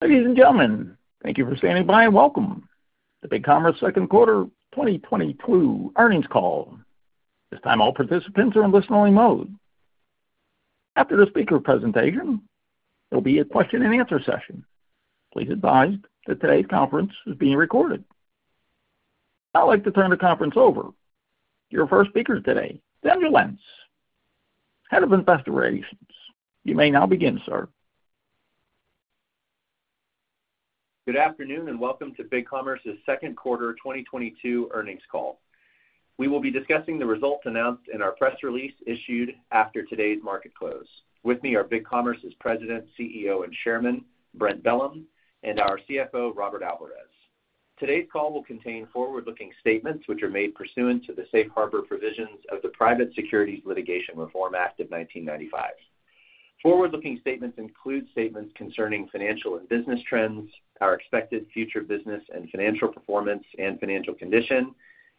Ladies and gentlemen, thank you for standing by, and welcome to BigCommerce Second Quarter 2022 Earnings Call. This time all participants are in listening mode. After the speaker presentation, there'll be a question-and-answer session. Please advise that today's conference is being recorded. I'd like to turn the conference over to your first speaker today, Daniel Lentz, Head of Investor Relations. You may now begin, sir. Good afternoon, and welcome to BigCommerce's second quarter 2022 earnings call. We will be discussing the results announced in our press release issued after today's market close. With me are BigCommerce's President, CEO, and Chairman, Brent Bellm, and our CFO, Robert Alvarez. Today's call will contain forward-looking statements, which are made pursuant to the Safe Harbor provisions of the Private Securities Litigation Reform Act of 1995. Forward-looking statements include statements concerning financial and business trends, our expected future business and financial performance and financial condition,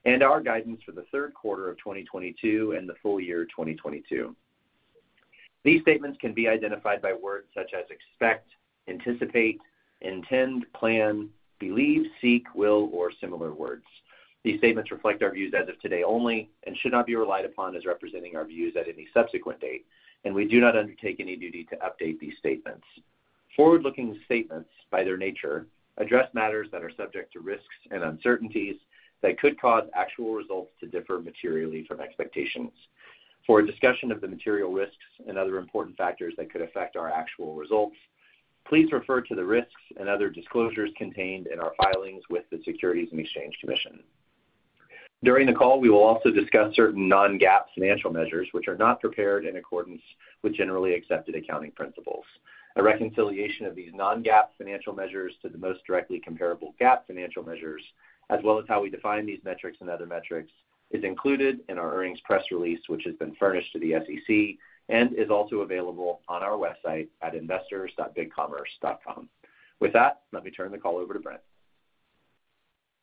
and our guidance for the third quarter of 2022 and the full year 2022. These statements can be identified by words such as expect, anticipate, intend, plan, believe, seek, will, or similar words. These statements reflect our views as of today only and should not be relied upon as representing our views at any subsequent date, and we do not undertake any duty to update these statements. Forward-looking statements, by their nature, address matters that are subject to risks and uncertainties that could cause actual results to differ materially from expectations. For a discussion of the material risks and other important factors that could affect our actual results, please refer to the risks and other disclosures contained in our filings with the Securities and Exchange Commission. During the call, we will also discuss certain non-GAAP financial measures, which are not prepared in accordance with generally accepted accounting principles. A reconciliation of these non-GAAP financial measures to the most directly comparable GAAP financial measures as well as how we define these metrics and other metrics is included in our earnings press release, which has been furnished to the SEC and is also available on our website at investors.BigCommerce.com. With that, let me turn the call over to Brent.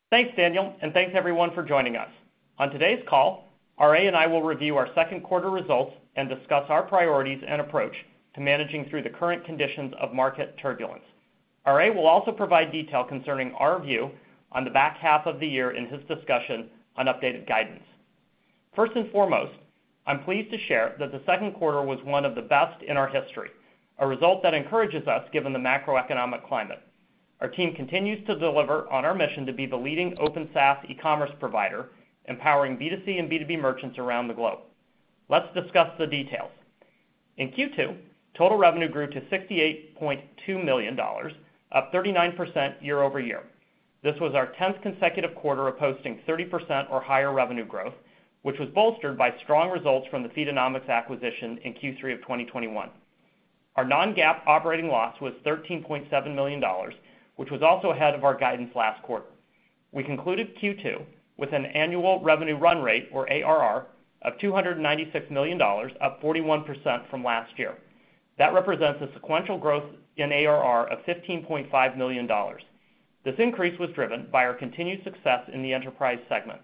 Thanks, Daniel, and thanks everyone for joining us. On today's call, R.A. and I will review our second quarter results and discuss our priorities and approach to managing through the current conditions of market turbulence. R.A. will also provide detail concerning our view on the back half of the year in his discussion on updated guidance. First and foremost, I'm pleased to share that the second quarter was one of the best in our history, a result that encourages us given the macroeconomic climate. Our team continues to deliver on our mission to be the leading open SaaS eCommerce provider, empowering B2C and B2B merchants around the globe. Let's discuss the details. In Q2, total revenue grew to $68.2 million, up 39% year-over-year. This was our 10th consecutive quarter of posting 30% or higher revenue growth, which was bolstered by strong results from the Feedonomics acquisition in Q3 of 2021. Our non-GAAP operating loss was $13.7 million, which was also ahead of our guidance last quarter. We concluded Q2 with an annual revenue run rate or ARR of $296 million, up 41% from last year. That represents a sequential growth in ARR of $15.5 million. This increase was driven by our continued success in the enterprise segment.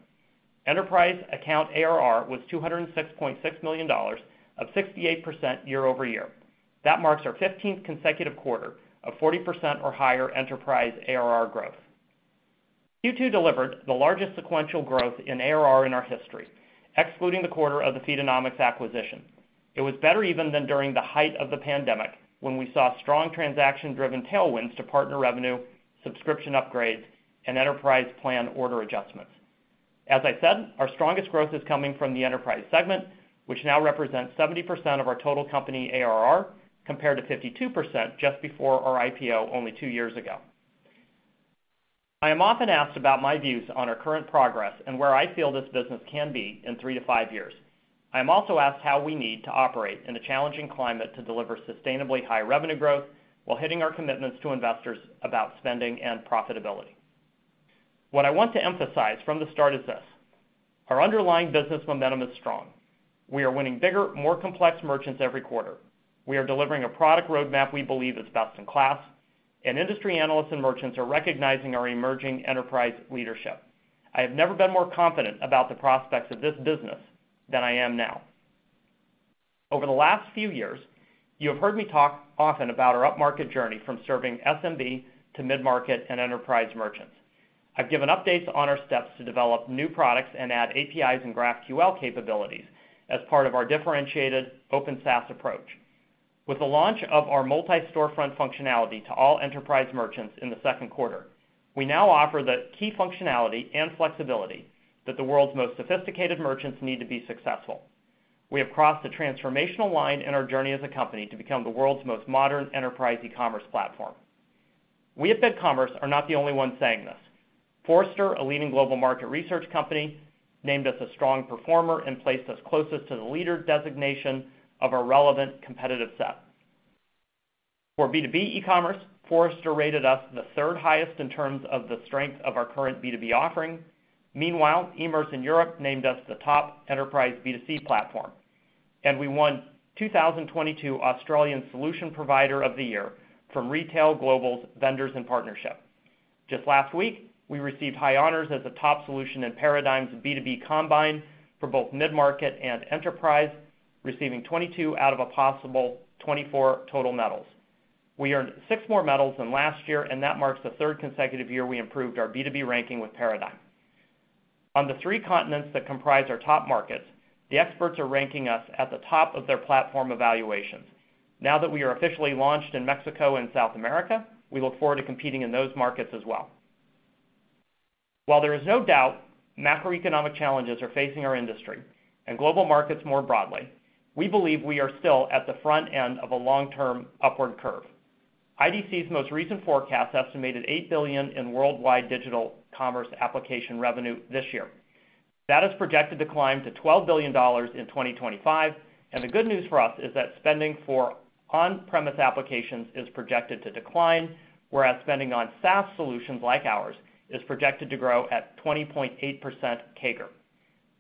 Enterprise account ARR was $206.6 million, up 68% year over year. That marks our 15th consecutive quarter of 40% or higher enterprise ARR growth. Q2 delivered the largest sequential growth in ARR in our history, excluding the quarter of the Feedonomics acquisition. It was better even than during the height of the pandemic, when we saw strong transaction-driven tailwinds to partner revenue, subscription upgrades, and enterprise plan order adjustments. As I said, our strongest growth is coming from the enterprise segment, which now represents 70% of our total company ARR compared to 52% just before our IPO only two years ago. I am often asked about my views on our current progress and where I feel this business can be in three to five years. I am also asked how we need to operate in a challenging climate to deliver sustainably high revenue growth while hitting our commitments to investors about spending and profitability. What I want to emphasize from the start is this: our underlying business momentum is strong. We are winning bigger, more complex merchants every quarter. We are delivering a product roadmap we believe is best in class, and industry analysts and merchants are recognizing our emerging enterprise leadership. I have never been more confident about the prospects of this business than I am now. Over the last few years, you have heard me talk often about our upmarket journey from serving SMB to mid-market and enterprise merchants. I've given updates on our steps to develop new products and add APIs and GraphQL capabilities as part of our differentiated open SaaS approach. With the launch of our Multi-Storefront functionality to all enterprise merchants in the second quarter, we now offer the key functionality and flexibility that the world's most sophisticated merchants need to be successful. We have crossed the transformational line in our journey as a company to become the world's most modern enterprise eCommerce platform. We at BigCommerce are not the only ones saying this. Forrester, a leading global market research company, named us a strong performer and placed us closest to the leader designation of our relevant competitive set. For B2B eCommerce, Forrester rated us the third highest in terms of the strength of our current B2B offering. Meanwhile, Emerce in Europe named us the top enterprise B2C platform, and we won 2022 Australian Solution Provider of the Year from Retail Global's Vendors in Partnership. Just last week, we received high honors as a top solution in Paradigm's B2B Combine for both mid-market and enterprise, receiving 22 out of a possible 24 total medals. We earned six more medals than last year, and that marks the third consecutive year we improved our B2B ranking with Paradigm. On the three continents that comprise our top markets, the experts are ranking us at the top of their platform evaluations. Now that we are officially launched in Mexico and South America, we look forward to competing in those markets as well. While there is no doubt macroeconomic challenges are facing our industry and global markets more broadly, we believe we are still at the front end of a long-term upward curve. IDC's most recent forecast estimated $8 billion in worldwide digital commerce application revenue this year. That is projected to climb to $12 billion in 2025, and the good news for us is that spending for on-premise applications is projected to decline, whereas spending on SaaS solutions like ours is projected to grow at 20.8% CAGR.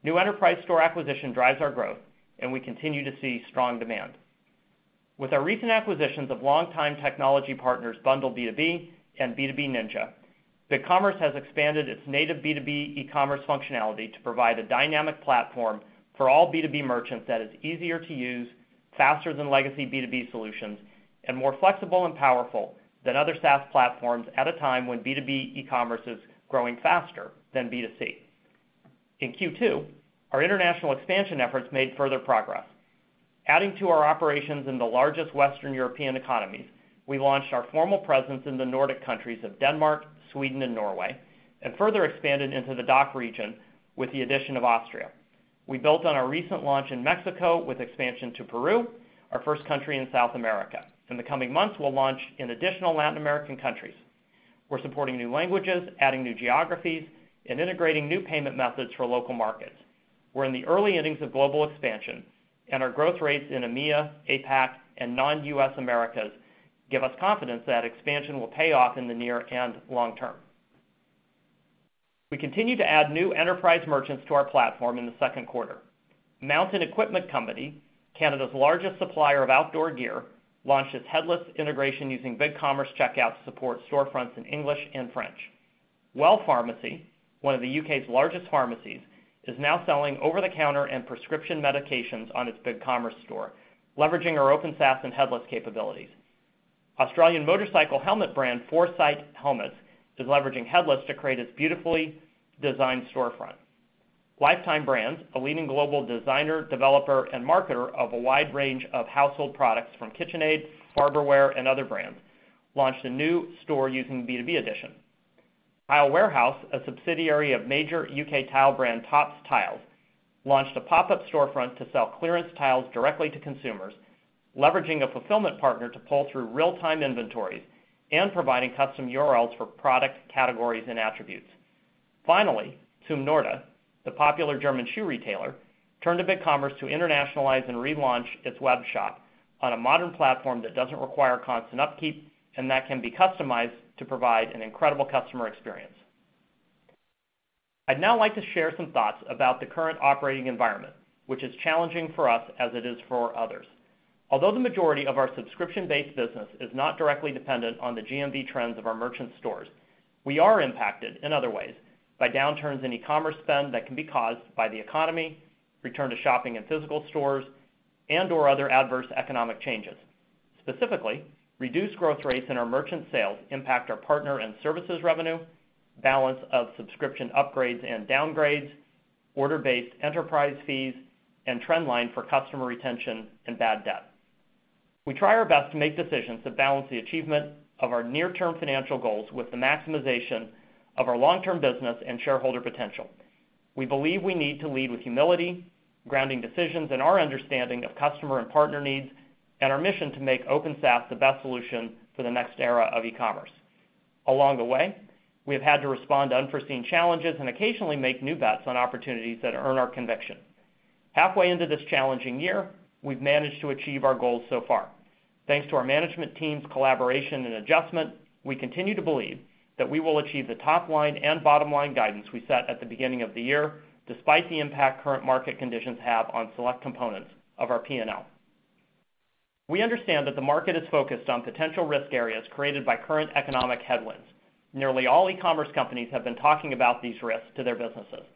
New enterprise store acquisition drives our growth, and we continue to see strong demand. With our recent acquisitions of longtime technology partners BundleB2B and B2B Ninja, BigCommerce has expanded its native B2B eCommerce functionality to provide a dynamic platform for all B2B merchants that is easier to use, faster than legacy B2B solutions, and more flexible and powerful than other SaaS platforms at a time when B2B eCommerce is growing faster than B2C. In Q2, our international expansion efforts made further progress. Adding to our operations in the largest Western European economies, we launched our formal presence in the Nordic countries of Denmark, Sweden, and Norway, and further expanded into the DACH region with the addition of Austria. We built on our recent launch in Mexico with expansion to Peru, our first country in South America. In the coming months, we'll launch in additional Latin American countries. We're supporting new languages, adding new geographies, and integrating new payment methods for local markets. We're in the early innings of global expansion, and our growth rates in EMEA, APAC, and non-U.S. Americas give us confidence that expansion will pay off in the near and long term. We continue to add new enterprise merchants to our platform in the second quarter. Mountain Equipment Company, Canada's largest supplier of outdoor gear, launched its headless integration using BigCommerce Checkout to support storefronts in English and French. Well Pharmacy, one of the U.K.'s largest pharmacies, is now selling over-the-counter and prescription medications on its BigCommerce store, leveraging our open SaaS and headless capabilities. Australian motorcycle helmet brand Forcite Helmets is leveraging headless to create its beautifully designed storefront. Lifetime Brands, a leading global designer, developer, and marketer of a wide range of household products from KitchenAid, Farberware, and other brands, launched a new store using B2B Edition. Tile Warehouse, a subsidiary of major U.K. tile brand Topps Tiles, launched a pop-up storefront to sell clearance tiles directly to consumers, leveraging a fulfillment partner to pull through real-time inventories and providing custom URLs for product categories and attributes. Zumnorde, the popular German shoe retailer, turned to BigCommerce to internationalize and relaunch its web shop on a modern platform that doesn't require constant upkeep and that can be customized to provide an incredible customer experience. I'd now like to share some thoughts about the current operating environment, which is challenging for us as it is for others. Although the majority of our subscription-based business is not directly dependent on the GMV trends of our merchant stores, we are impacted in other ways by downturns in eCommerce spend that can be caused by the economy, return to shopping in physical stores, and/or other adverse economic changes. Specifically, reduced growth rates in our merchant sales impact our partner and services revenue, balance of subscription upgrades and downgrades, order-based enterprise fees, and trend line for customer retention and bad debt. We try our best to make decisions that balance the achievement of our near-term financial goals with the maximization of our long-term business and shareholder potential. We believe we need to lead with humility, grounding decisions in our understanding of customer and partner needs, and our mission to make open SaaS the best solution for the next era of eCommerce. Along the way, we have had to respond to unforeseen challenges and occasionally make new bets on opportunities that earn our conviction. Halfway into this challenging year, we've managed to achieve our goals so far. Thanks to our management team's collaboration and adjustment, we continue to believe that we will achieve the top-line and bottom-line guidance we set at the beginning of the year, despite the impact current market conditions have on select components of our P&L. We understand that the market is focused on potential risk areas created by current economic headwinds. Nearly all eCommerce companies have been talking about these risks to their businesses.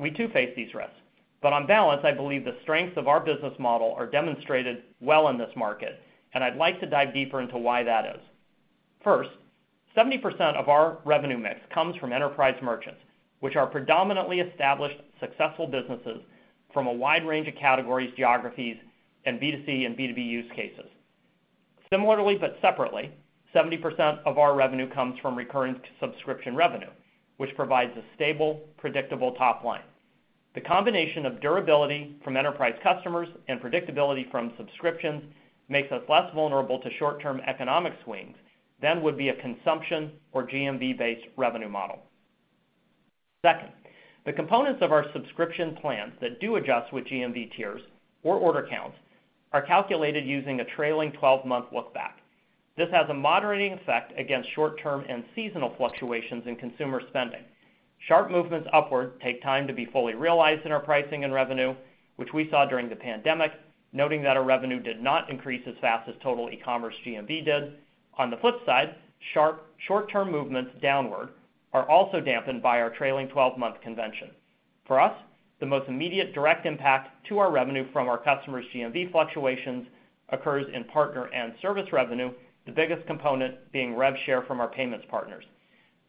We too face these risks, but on balance, I believe the strengths of our business model are demonstrated well in this market, and I'd like to dive deeper into why that is. First, 70% of our revenue mix comes from enterprise merchants, which are predominantly established, successful businesses from a wide range of categories, geographies, and B2C and B2B use cases. Similarly, but separately, 70% of our revenue comes from recurring subscription revenue, which provides a stable, predictable top line. The combination of durability from enterprise customers and predictability from subscriptions makes us less vulnerable to short-term economic swings than would be a consumption or GMV-based revenue model. Second, the components of our subscription plans that do adjust with GMV tiers or order counts are calculated using a trailing 12-month look back. This has a moderating effect against short-term and seasonal fluctuations in consumer spending. Sharp movements upward take time to be fully realized in our pricing and revenue, which we saw during the pandemic, noting that our revenue did not increase as fast as total eCommerce GMV did. On the flip side, sharp short-term movements downward are also dampened by our trailing 12-month convention. For us, the most immediate direct impact to our revenue from our customers' GMV fluctuations occurs in partner and service revenue, the biggest component being rev share from our payments partners.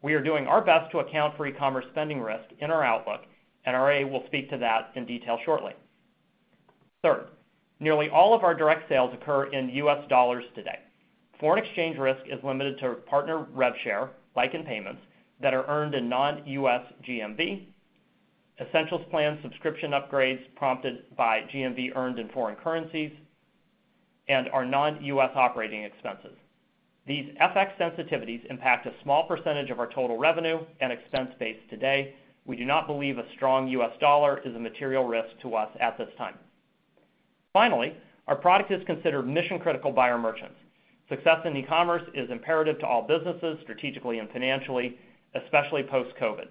We are doing our best to account for eCommerce spending risk in our outlook, and R.A. will speak to that in detail shortly. Third, nearly all of our direct sales occur in U.S. dollars today. Foreign exchange risk is limited to partner rev share, like in payments, that are earned in non-U.S. GMV, Essentials plan subscription upgrades prompted by GMV earned in foreign currencies, and our non-U.S. operating expenses. These FX sensitivities impact a small percentage of our total revenue and expense base today. We do not believe a strong U.S. dollar is a material risk to us at this time. Finally, our product is considered mission-critical by our merchants. Success in eCommerce is imperative to all businesses strategically and financially, especially post-COVID.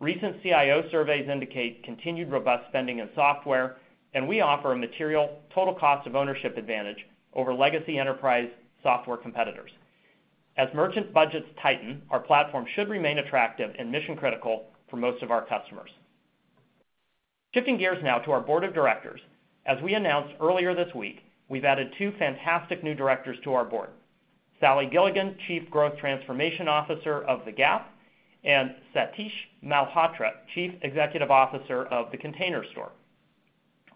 Recent CIO surveys indicate continued robust spending in software, and we offer a material total cost of ownership advantage over legacy enterprise software competitors. As merchant budgets tighten, our platform should remain attractive and mission-critical for most of our customers. Shifting gears now to our board of directors. As we announced earlier this week, we've added two fantastic new directors to our board, Sally Gilligan, Chief Growth Transformation Officer of The Gap, and Satish Malhotra, Chief Executive Officer of The Container Store.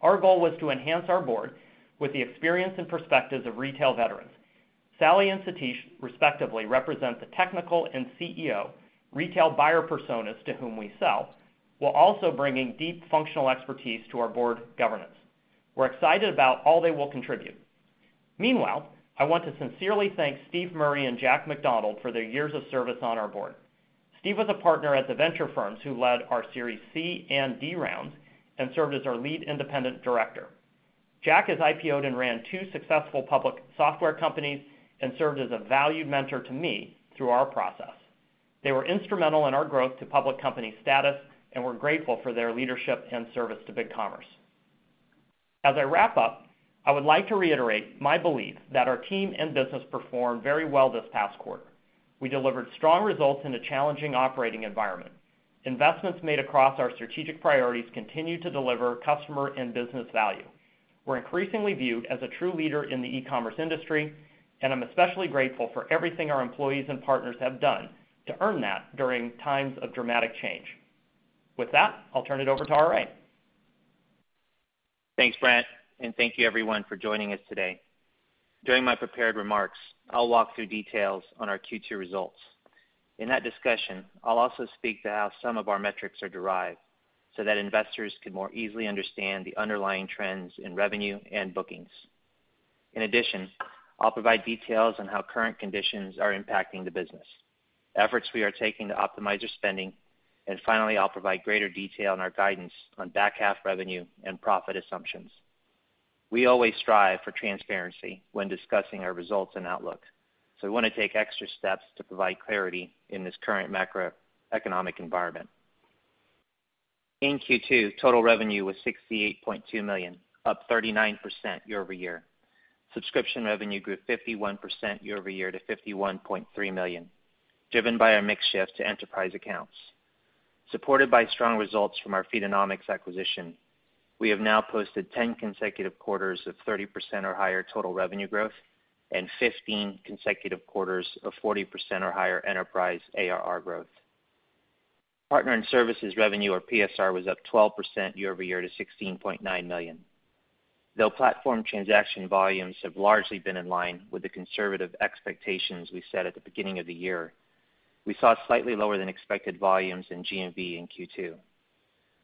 Our goal was to enhance our board with the experience and perspectives of retail veterans. Sally and Satish respectively represent the technical and CEO retail buyer personas to whom we sell, while also bringing deep functional expertise to our board governance. We're excited about all they will contribute. Meanwhile, I want to sincerely thank Steve Murray and Jack McDonald for their years of service on our board. Steve was a partner at the venture firms who led our Series C and D rounds and served as our lead independent director. Jack has IPO'd and ran two successful public software companies and served as a valued mentor to me through our process. They were instrumental in our growth to public company status, and we're grateful for their leadership and service to BigCommerce. As I wrap up, I would like to reiterate my belief that our team and business performed very well this past quarter. We delivered strong results in a challenging operating environment. Investments made across our strategic priorities continue to deliver customer and business value. We're increasingly viewed as a true leader in the eCommerce industry, and I'm especially grateful for everything our employees and partners have done to earn that during times of dramatic change. With that, I'll turn it over to R.A. Thanks, Brent, and thank you everyone for joining us today. During my prepared remarks, I'll walk through details on our Q2 results. In that discussion, I'll also speak to how some of our metrics are derived so that investors can more easily understand the underlying trends in revenue and bookings. In addition, I'll provide details on how current conditions are impacting the business, efforts we are taking to optimize our spending, and finally, I'll provide greater detail on our guidance on back half revenue and profit assumptions. We always strive for transparency when discussing our results and outlook, so we want to take extra steps to provide clarity in this current macroeconomic environment. In Q2, total revenue was $68.2 million, up 39% year-over-year. Subscription revenue grew 51% year-over-year to $51.3 million, driven by our mix shift to enterprise accounts. Supported by strong results from our Feedonomics acquisition, we have now posted 10 consecutive quarters of 30% or higher total revenue growth and 15 consecutive quarters of 40% or higher enterprise ARR growth. Partner and Services Revenue, or PSR, was up 12% year-over-year to $16.9 million. Though platform transaction volumes have largely been in line with the conservative expectations we set at the beginning of the year, we saw slightly lower than expected volumes in GMV in Q2.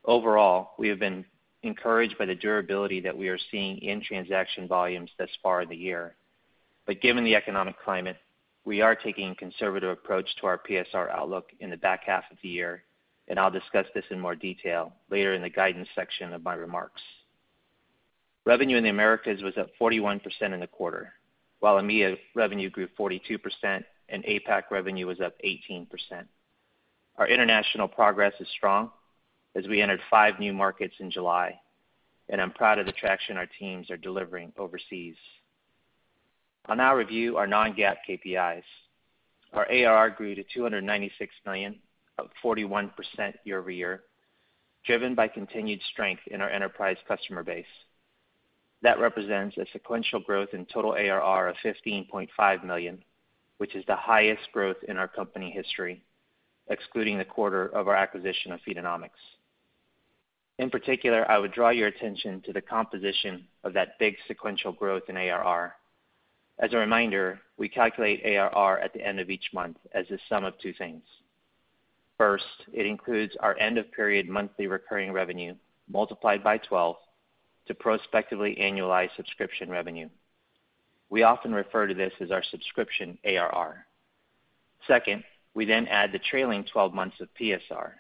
Overall, we have been encouraged by the durability that we are seeing in transaction volumes thus far in the year. Given the economic climate, we are taking a conservative approach to our PSR outlook in the back half of the year, and I'll discuss this in more detail later in the guidance section of my remarks. Revenue in the Americas was up 41% in the quarter, while EMEA revenue grew 42% and APAC revenue was up 18%. Our international progress is strong as we entered five new markets in July, and I'm proud of the traction our teams are delivering overseas. I'll now review our non-GAAP KPIs. Our ARR grew to $296 million, up 41% year-over-year, driven by continued strength in our enterprise customer base. That represents a sequential growth in total ARR of $15.5 million, which is the highest growth in our company history, excluding the quarter of our acquisition of Feedonomics. In particular, I would draw your attention to the composition of that big sequential growth in ARR. As a reminder, we calculate ARR at the end of each month as the sum of two things. First, it includes our end-of-period monthly recurring revenue multiplied by 12 to prospectively annualize subscription revenue. We often refer to this as our subscription ARR. Second, we then add the trailing 12 months of PSR.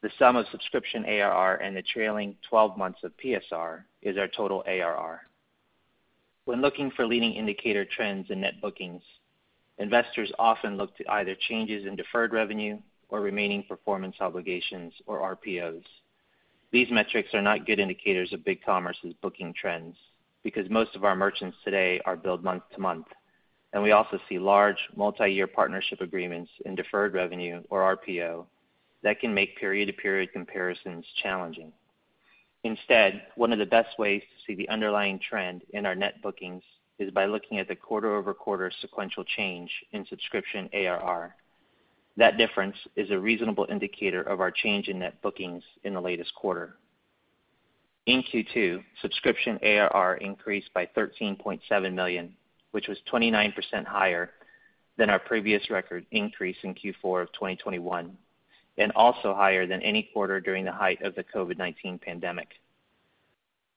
The sum of subscription ARR and the trailing 12 months of PSR is our total ARR. When looking for leading indicator trends in net bookings, investors often look to either changes in deferred revenue or remaining performance obligations or RPOs. These metrics are not good indicators of BigCommerce's booking trends because most of our merchants today are billed month to month, and we also see large multi-year partnership agreements in deferred revenue or RPO that can make period to period comparisons challenging. Instead, one of the best ways to see the underlying trend in our net bookings is by looking at the quarter-over-quarter sequential change in subscription ARR. That difference is a reasonable indicator of our change in net bookings in the latest quarter. In Q2, subscription ARR increased by $13.7 million, which was 29% higher than our previous record increase in Q4 of 2021, and also higher than any quarter during the height of the COVID-19 pandemic.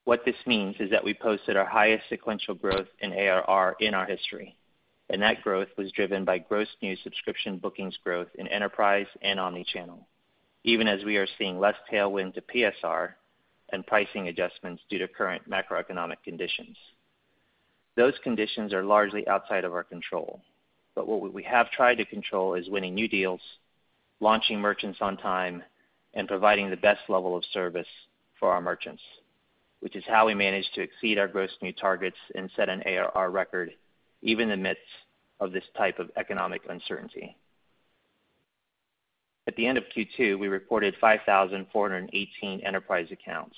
What this means is that we posted our highest sequential growth in ARR in our history, and that growth was driven by gross new subscription bookings growth in enterprise and omni-channel, even as we are seeing less tailwind to PSR and pricing adjustments due to current macroeconomic conditions. Those conditions are largely outside of our control. What we have tried to control is winning new deals, launching merchants on time, and providing the best level of service for our merchants, which is how we managed to exceed our gross new targets and set an ARR record even amidst of this type of economic uncertainty. At the end of Q2, we reported 5,418 enterprise accounts,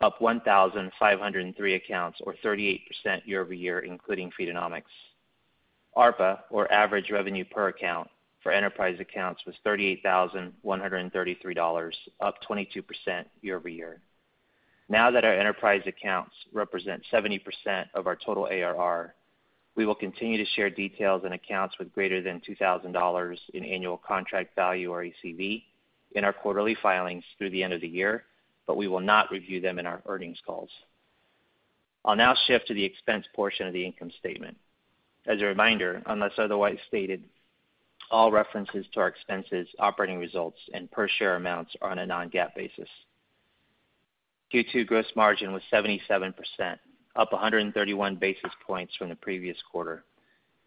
up 1,503 accounts or 38% year-over-year, including Feedonomics. ARPA, or Average Revenue Per Account, for enterprise accounts was $38,133, up 22% year-over-year. Now that our enterprise accounts represent 70% of our total ARR, we will continue to share details and accounts with greater than $2,000 in Annual Contract Value or ACV in our quarterly filings through the end of the year, but we will not review them in our earnings calls. I'll now shift to the expense portion of the income statement. As a reminder, unless otherwise stated, all references to our expenses, operating results, and per share amounts are on a non-GAAP basis. Q2 gross margin was 77%, up 131 basis points from the previous quarter.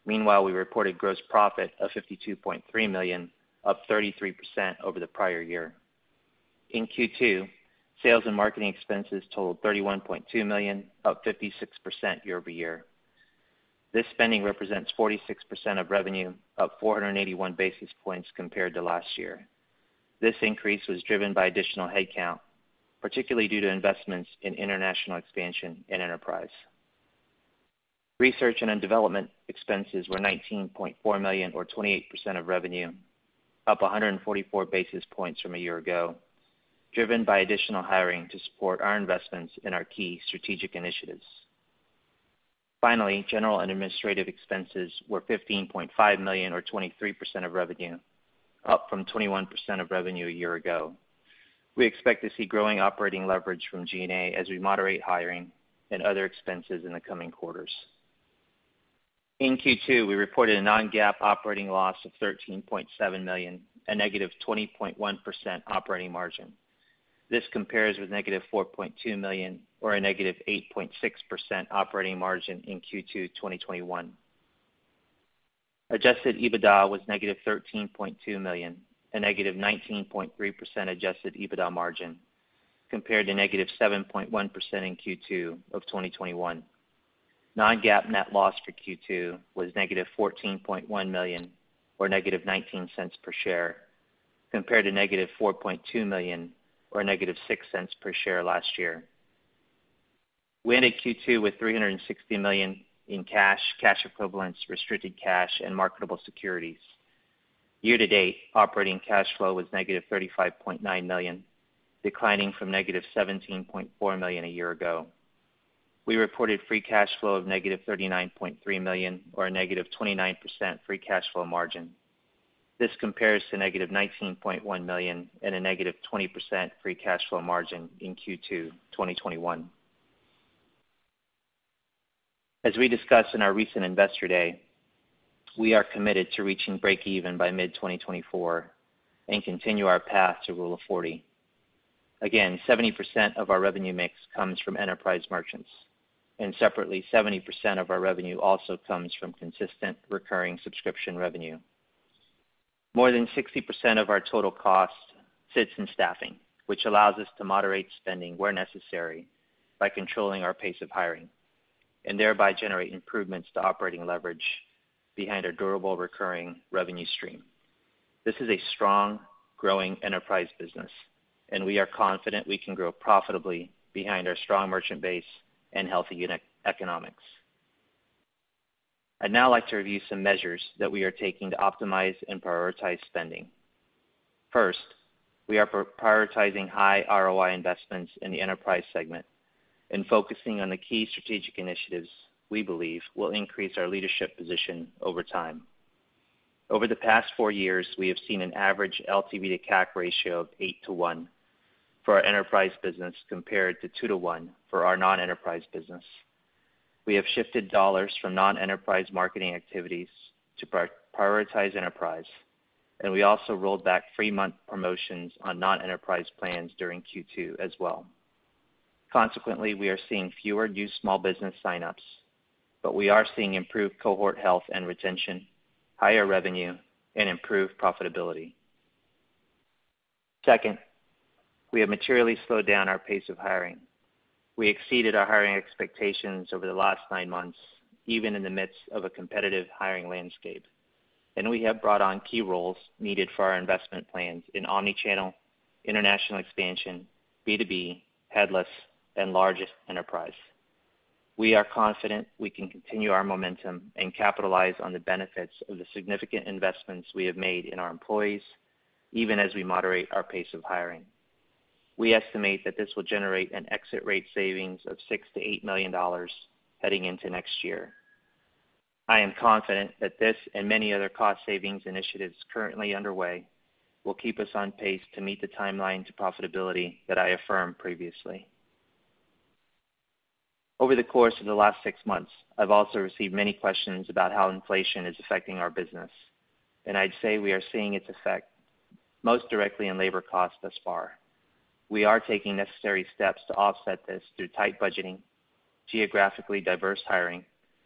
Meanwhile, we reported gross profit of $52.3 million, up 33% over the prior year. In Q2, sales and marketing expenses totaled $31.2 million, up 56% year-over-year. This spending represents 46% of revenue, up 481 basis points compared to last year. This increase was driven by additional headcount, particularly due to investments in international expansion and enterprise. Research and development expenses were $19.4 million or 28% of revenue, up 144 basis points from a year ago, driven by additional hiring to support our investments in our key strategic initiatives. Finally, general and administrative expenses were $15.5 million or 23% of revenue, up from 21% of revenue a year ago. We expect to see growing operating leverage from G&A as we moderate hiring and other expenses in the coming quarters. In Q2, we reported a non-GAAP operating loss of $13.7 million, a -20.1% operating margin. This compares with -$4.2 million or a -8.6% operating margin in Q2 2021. Adjusted EBITDA was -$13.2 million, a -19.3% Adjusted EBITDA margin compared to -7.1% in Q2 of 2021. Non-GAAP net loss for Q2 was -$14.1 million or -$0.19 per share, compared to -$4.2 million or -$0.06 per share last year. We ended Q2 with $360 million in cash equivalents, restricted cash, and marketable securities. Year to date, operating cash flow was -$35.9 million, declining from -$17.4 million a year ago. We reported free cash flow of -$39.3 million or a -29% free cash flow margin. This compares to negative $19.1 million and a negative 20% free cash flow margin in Q2 2021. As we discussed in our recent Investor Day, we are committed to reaching breakeven by mid 2024 and continue our path to rule of 40. Again, 70% of our revenue mix comes from enterprise merchants, and separately, 70% of our revenue also comes from consistent recurring subscription revenue. More than 60% of our total cost sits in staffing, which allows us to moderate spending where necessary by controlling our pace of hiring and thereby generate improvements to operating leverage behind a durable recurring revenue stream. This is a strong growing enterprise business, and we are confident we can grow profitably behind our strong merchant base and healthy unit economics. I'd now like to review some measures that we are taking to optimize and prioritize spending. First, we are prioritizing high ROI investments in the enterprise segment and focusing on the key strategic initiatives we believe will increase our leadership position over time. Over the past four years, we have seen an average LTV to CAC ratio of 8-to-1 for our enterprise business compared to 2-to-1 for our non-enterprise business. We have shifted dollars from non-enterprise marketing activities to prioritize enterprise. We also rolled back free month promotions on non-enterprise plans during Q2 as well. Consequently, we are seeing fewer new small business signups, but we are seeing improved cohort health and retention, higher revenue, and improved profitability. Second, we have materially slowed down our pace of hiring. We exceeded our hiring expectations over the last nine months, even in the midst of a competitive hiring landscape, and we have brought on key roles needed for our investment plans in omni-channel, international expansion, B2B, headless, and largest enterprise. We are confident we can continue our momentum and capitalize on the benefits of the significant investments we have made in our employees, even as we moderate our pace of hiring. We estimate that this will generate an exit rate savings of $6 million-$8 million heading into next year. I am confident that this and many other cost savings initiatives currently underway will keep us on pace to meet the timeline to profitability that I affirmed previously. Over the course of the last six months, I've also received many questions about how inflation is affecting our business, and I'd say we are seeing its effect most directly on labor costs thus far. We are taking necessary steps to offset this through tight budgeting, geographically diverse hiring,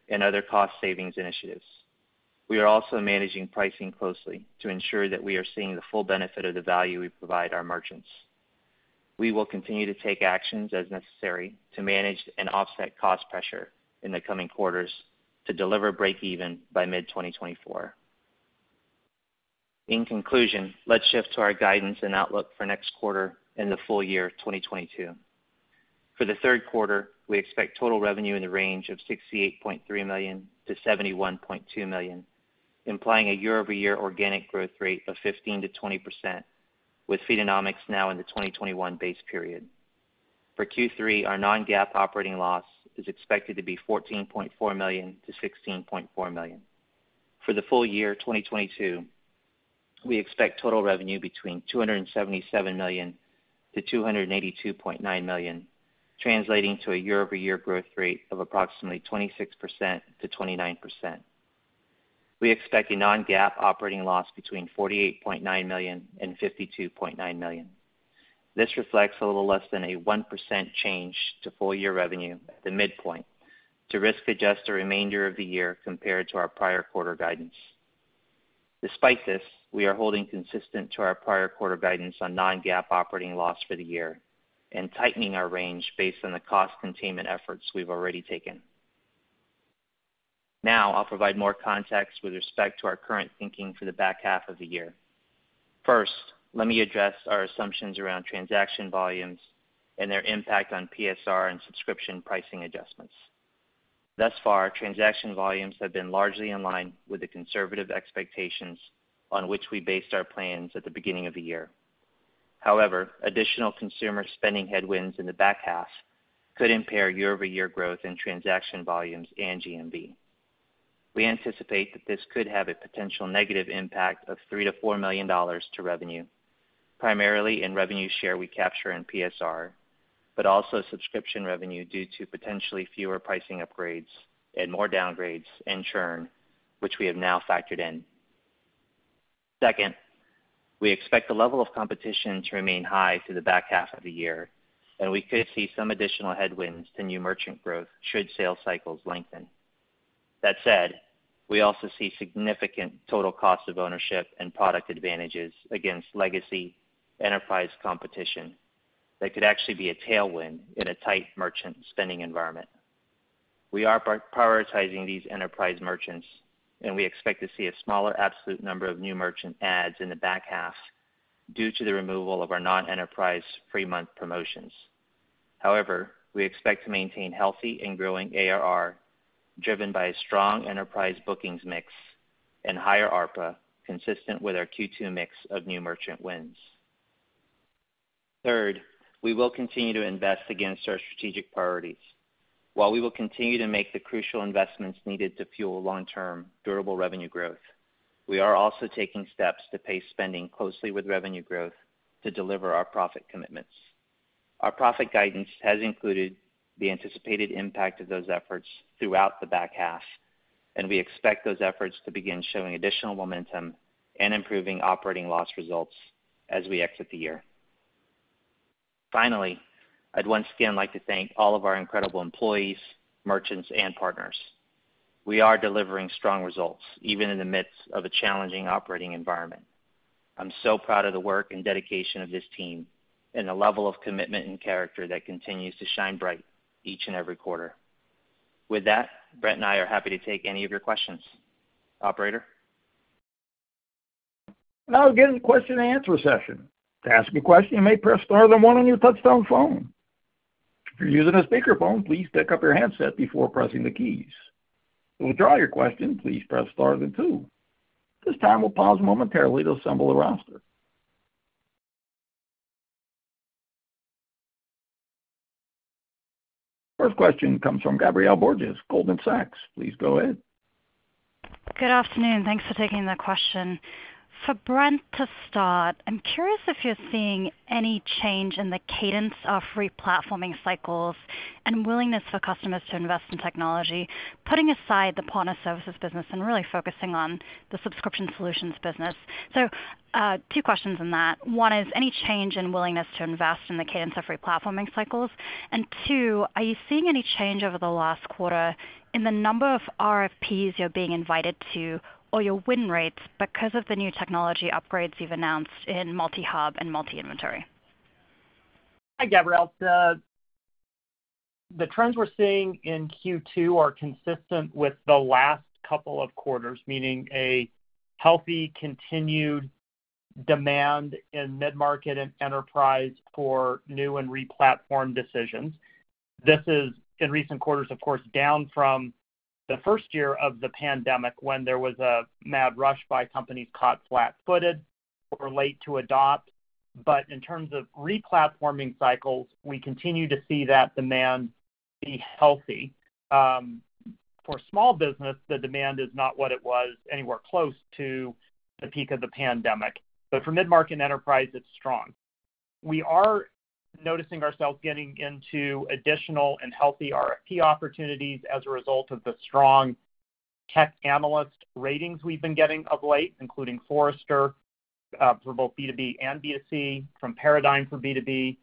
and other cost savings initiatives. We are also managing pricing closely to ensure that we are seeing the full benefit of the value we provide our merchants. We will continue to take actions as necessary to manage and offset cost pressure in the coming quarters to deliver break even by mid-2024. In conclusion, let's shift to our guidance and outlook for next quarter and the full year of 2022. For the third quarter, we expect total revenue in the range of $68.3 million-$71.2 million, implying a year-over-year organic growth rate of 15%-20% with Feedonomics now in the 2021 base period. For Q3, our non-GAAP operating loss is expected to be $14.4 million-$16.4 million. For the full year 2022, we expect total revenue between $277 million-$282.9 million, translating to a year-over-year growth rate of approximately 26%-29%. We expect a non-GAAP operating loss between $48.9 million and $52.9 million. This reflects a little less than a 1% change to full year revenue at the midpoint to risk adjust the remainder of the year compared to our prior quarter guidance. Despite this, we are holding consistent to our prior quarter guidance on non-GAAP operating loss for the year and tightening our range based on the cost containment efforts we've already taken. Now I'll provide more context with respect to our current thinking for the back half of the year. First, let me address our assumptions around transaction volumes and their impact on PSR and subscription pricing adjustments. Thus far, transaction volumes have been largely in line with the conservative expectations on which we based our plans at the beginning of the year. However, additional consumer spending headwinds in the back half could impair year-over-year growth in transaction volumes and GMV. We anticipate that this could have a potential negative impact of $3 million-$4 million to revenue, primarily in revenue share we capture in PSR, but also subscription revenue due to potentially fewer pricing upgrades and more downgrades in churn, which we have now factored in. Second, we expect the level of competition to remain high through the back half of the year, and we could see some additional headwinds to new merchant growth should sales cycles lengthen. That said, we also see significant total cost of ownership and product advantages against legacy enterprise competition that could actually be a tailwind in a tight merchant spending environment. We are prioritizing these enterprise merchants, and we expect to see a smaller absolute number of new merchant adds in the back half due to the removal of our non-enterprise free month promotions. However, we expect to maintain healthy and growing ARR, driven by a strong enterprise bookings mix and higher ARPA consistent with our Q2 mix of new merchant wins. Third, we will continue to invest against our strategic priorities. While we will continue to make the crucial investments needed to fuel long-term durable revenue growth, we are also taking steps to pace spending closely with revenue growth to deliver our profit commitments. Our profit guidance has included the anticipated impact of those efforts throughout the back half, and we expect those efforts to begin showing additional momentum and improving operating loss results as we exit the year. Finally, I'd once again like to thank all of our incredible employees, merchants, and partners. We are delivering strong results even in the midst of a challenging operating environment. I'm so proud of the work and dedication of this team and the level of commitment and character that continues to shine bright each and every quarter. With that, Brent and I are happy to take any of your questions. Operator? Now we begin the question and answer session. To ask a question, you may press star then one on your touch-tone phone. If you're using a speakerphone, please pick up your handset before pressing the keys. To withdraw your question, please press star then two. At this time, we'll pause momentarily to assemble a roster. First question comes from Gabriela Borges, Goldman Sachs. Please go ahead. Good afternoon. Thanks for taking the question. For Brent to start, I'm curious if you're seeing any change in the cadence of re-platforming cycles and willingness for customers to invest in technology, putting aside the partner services business and really focusing on the subscription solutions business. Two questions on that. One is any change in willingness to invest in the cadence of re-platforming cycles? And two, are you seeing any change over the last quarter in the number of RFPs you're being invited to or your win rates because of the new technology upgrades you've announced in multi-hub and multi-inventory? Hi, Gabriela. The trends we're seeing in Q2 are consistent with the last couple of quarters, meaning a healthy continued demand in mid-market and enterprise for new and re-platform decisions. This is, in recent quarters, of course, down from the first year of the pandemic when there was a mad rush by companies caught flat-footed or late to adopt. In terms of re-platforming cycles, we continue to see that demand be healthy. For small business, the demand is not what it was anywhere close to the peak of the pandemic, but for mid-market enterprise, it's strong. We are noticing ourselves getting into additional and healthy RFP opportunities as a result of the strong tech analyst ratings we've been getting of late, including Forrester for both B2B and B2C, from Paradigm for B2B,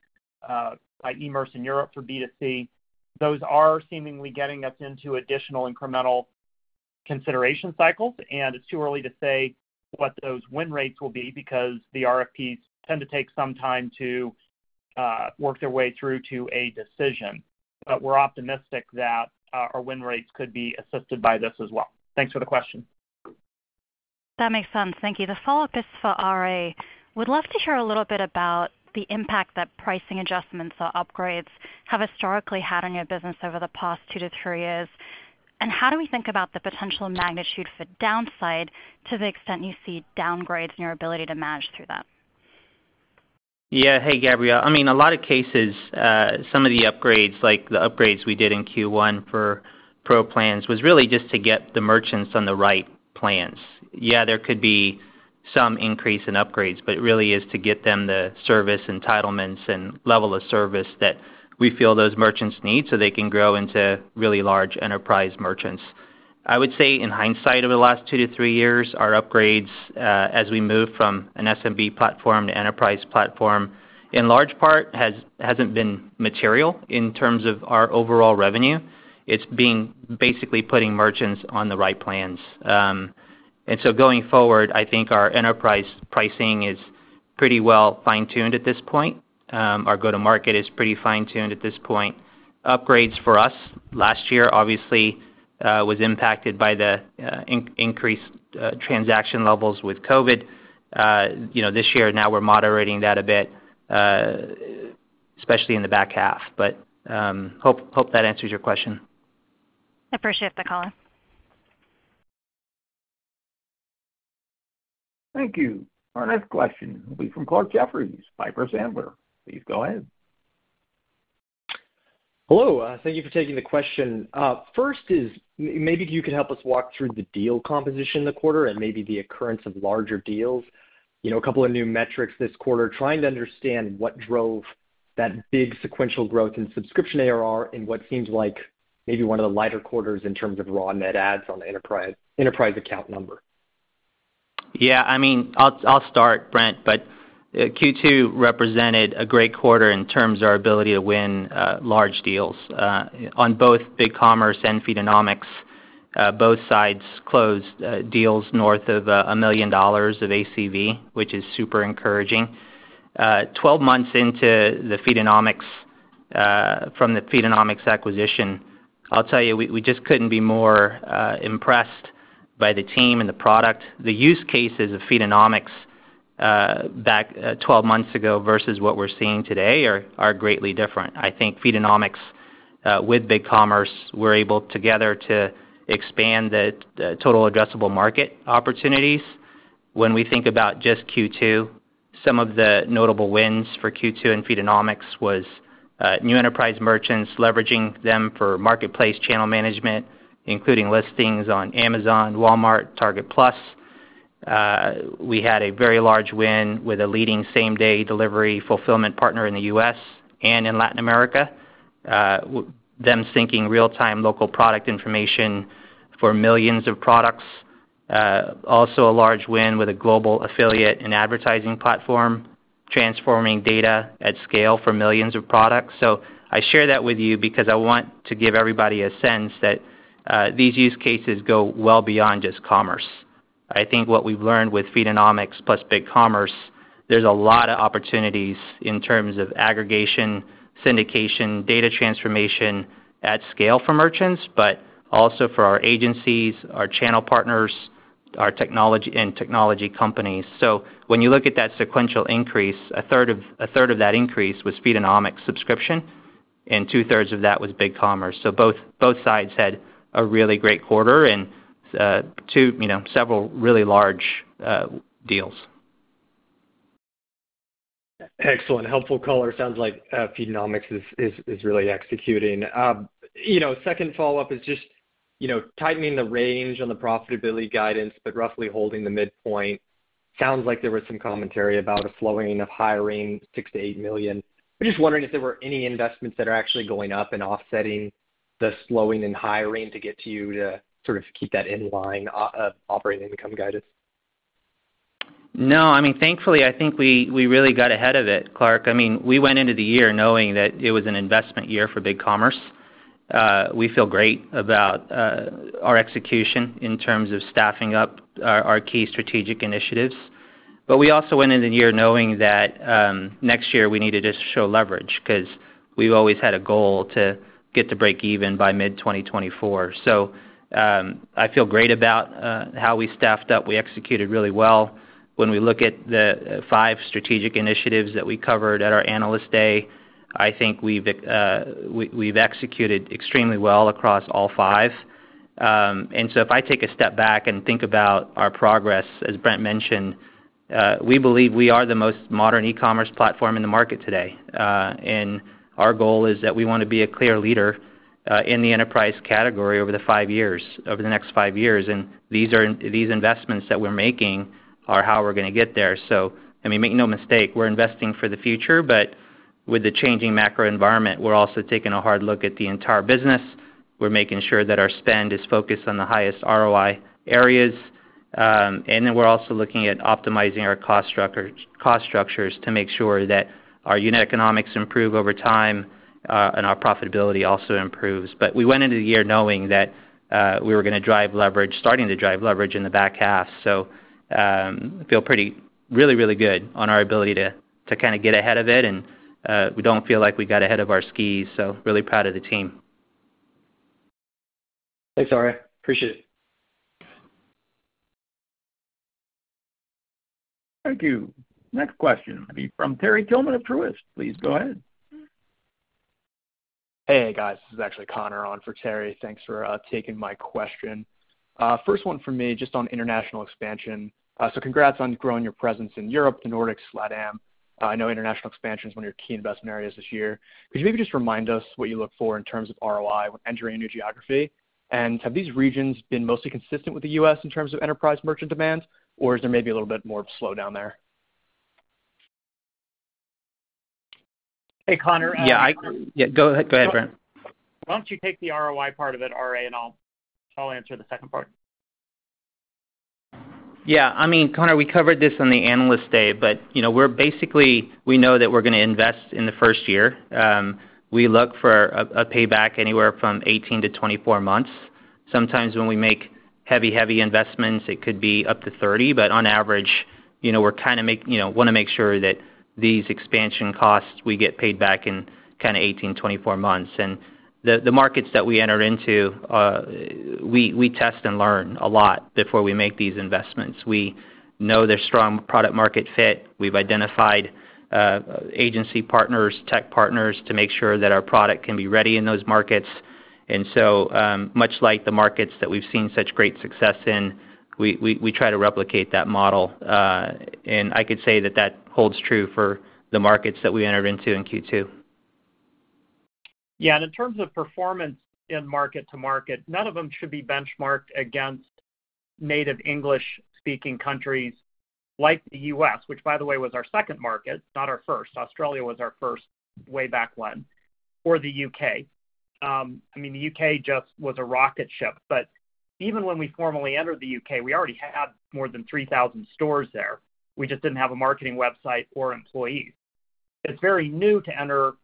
by Emerce in Europe for B2C. Those are seemingly getting us into additional incremental consideration cycles, and it's too early to say what those win rates will be because the RFPs tend to take some time to work their way through to a decision. We're optimistic that our win rates could be assisted by this as well. Thanks for the question. That makes sense. Thank you. The follow-up is for R.A. Would love to hear a little bit about the impact that pricing adjustments or upgrades have historically had on your business over the past two to three years, and how do we think about the potential magnitude for downside to the extent you see downgrades and your ability to manage through that? Hey, Gabriela. I mean, in a lot of cases, some of the upgrades, like the upgrades we did in Q1 for pro plans, was really just to get the merchants on the right plans. There could be some increase in upgrades, but it really is to get them the service entitlements and level of service that we feel those merchants need, so they can grow into really large enterprise merchants. I would say in hindsight, over the last two to three years, our upgrades, as we move from an SMB platform to enterprise platform, in large part hasn't been material in terms of our overall revenue. It's been basically putting merchants on the right plans. Going forward, I think our enterprise pricing is pretty well fine-tuned at this point. Our go-to-market is pretty fine-tuned at this point. Upgrades for us last year, obviously, was impacted by the increased transaction levels with COVID. You know, this year now we're moderating that a bit, especially in the back half. Hope that answers your question. I appreciate the color. Thank you. Our next question will be from Clarke Jeffries, Piper Sandler. Please go ahead. Hello, thank you for taking the question. First is maybe you could help us walk through the deal composition in the quarter and maybe the occurrence of larger deals. You know, a couple of new metrics this quarter, trying to understand what drove that big sequential growth in subscription ARR in what seems like maybe one of the lighter quarters in terms of raw net adds on the enterprise account number. Yeah, I mean, I'll start, Brent, but Q2 represented a great quarter in terms of our ability to win large deals. On both BigCommerce and Feedonomics, both sides closed deals north of $1 million of ACV, which is super encouraging. 12 months into the Feedonomics from the Feedonomics acquisition, I'll tell you, we just couldn't be more impressed by the team and the product. The use cases of Feedonomics back 12 months ago versus what we're seeing today are greatly different. I think Feedonomics with BigCommerce, we're able together to expand the total addressable market opportunities. When we think about just Q2, some of the notable wins for Q2 and Feedonomics was new enterprise merchants leveraging them for marketplace channel management, including listings on Amazon, Walmart, Target Plus. We had a very large win with a leading same-day delivery fulfillment partner in the U.S. and in Latin America, with them syncing real-time local product information for millions of products. Also a large win with a global affiliate and advertising platform, transforming data at scale for millions of products. I share that with you because I want to give everybody a sense that these use cases go well beyond just commerce. I think what we've learned with Feedonomics plus BigCommerce, there's a lot of opportunities in terms of aggregation, syndication, data transformation at scale for merchants, but also for our agencies, our channel partners, our technology companies. When you look at that sequential increase, a third of that increase was Feedonomics subscription, and two-thirds of that was BigCommerce. Both sides had a really great quarter and too, you know, several really large deals. Excellent. Helpful color. Sounds like Feedonomics is really executing. You know, second follow-up is just, you know, tightening the range on the profitability guidance, but roughly holding the midpoint. Sounds like there was some commentary about a slowing of hiring $6 million-$8 million. I'm just wondering if there were any investments that are actually going up and offsetting the slowing in hiring to get you to sort of keep that in line of operating income guidance. No, I mean, thankfully, I think we really got ahead of it, Clark. I mean, we went into the year knowing that it was an investment year for BigCommerce. We feel great about our execution in terms of staffing up our key strategic initiatives. But we also went into the year knowing that next year we needed to show leverage 'cause we've always had a goal to get to break even by mid-2024. I feel great about how we staffed up. We executed really well. When we look at the five strategic initiatives that we covered at our Analyst Day, I think we've executed extremely well across all five. If I take a step back and think about our progress, as Brent mentioned, we believe we are the most modern eCommerce platform in the market today. Our goal is that we wanna be a clear leader in the enterprise category over the five years, over the next five years. These investments that we're making are how we're gonna get there. I mean, make no mistake, we're investing for the future, but with the changing macro environment, we're also taking a hard look at the entire business. We're making sure that our spend is focused on the highest ROI areas. We're also looking at optimizing our cost structures to make sure that our unit economics improve over time, and our profitability also improves. We went into the year knowing that we were gonna drive leverage, starting to drive leverage in the back half. Feel pretty really good on our ability to kinda get ahead of it. We don't feel like we got ahead of our skis, so really proud of the team. Thanks, R.A. Appreciate it. Thank you. Next question will be from Terry Tillman of Truist. Please go ahead. Hey, guys. This is actually Connor on for Terry. Thanks for taking my question. First one from me, just on international expansion. Congrats on growing your presence in Europe, the Nordics, LATAM. I know international expansion is one of your key investment areas this year. Could you maybe just remind us what you look for in terms of ROI when entering a new geography? And have these regions been mostly consistent with the U.S. in terms of enterprise merchant demand, or is there maybe a little bit more of slowdown there? Hey, Connor. Yeah, go ahead, Brent. Why don't you take the ROI part of it, R.A., and I'll answer the second part. I mean, Connor, we covered this on the Analyst Day, but, you know, we know that we're gonna invest in the first year. We look for a payback anywhere from 18-24 months. Sometimes when we make heavy investments, it could be up to 30, but on average, you know, we're kinda wanna make sure that these expansion costs we get paid back in kinda 18-24 months. The markets that we enter into, we test and learn a lot before we make these investments. We know their strong product market fit. We've identified agency partners, tech partners to make sure that our product can be ready in those markets. Much like the markets that we've seen such great success in, we try to replicate that model. I could say that holds true for the markets that we entered into in Q2. Yeah. In terms of performance in market to market, none of them should be benchmarked against native English-speaking countries like the U.S., which by the way, was our second market, not our first. Australia was our first way back when, or the U.K. I mean, the U.K. just was a rocket ship. But even when we formally entered the U.K., we already had more than 3,000 stores there. We just didn't have a marketing website or employees. It's very new to enter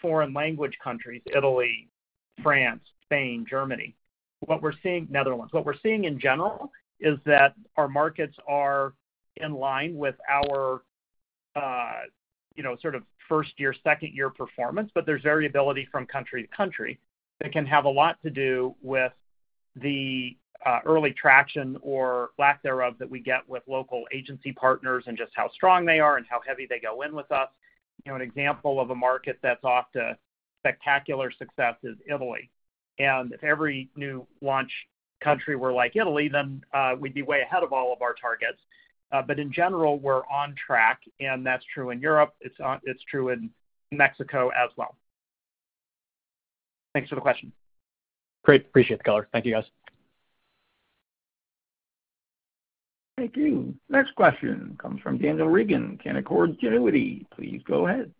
foreign language countries, Italy, France, Spain, Germany, Netherlands. What we're seeing in general is that our markets are in line with our, you know, sort of first year, second year performance, but there's variability from country to country that can have a lot to do with the early traction or lack thereof that we get with local agency partners and just how strong they are and how heavy they go in with us. You know, an example of a market that's off to spectacular success is Italy. If every new launch country were like Italy, then we'd be way ahead of all of our targets. But in general, we're on track, and that's true in Europe. It's true in Mexico as well. Thanks for the question. Great. Appreciate the color. Thank you, guys. Thank you. Next question comes from Daniel Reagan, Canaccord Genuity. Please go ahead.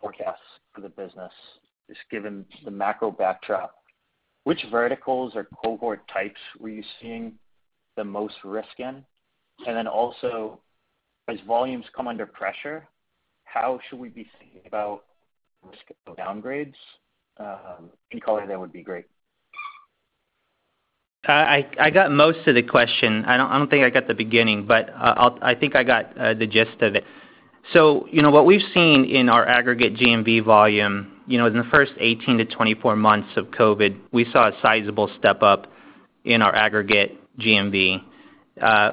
Forecast for the business, just given the macro backdrop, which verticals or cohort types were you seeing the most risk in? As volumes come under pressure, how should we be thinking about risk of downgrades? Any color there would be great. I got most of the question. I don't think I got the beginning, but I think I got the gist of it. You know, what we've seen in our aggregate GMV volume, you know, in the first 18-24 months of COVID, we saw a sizable step-up in our aggregate GMV.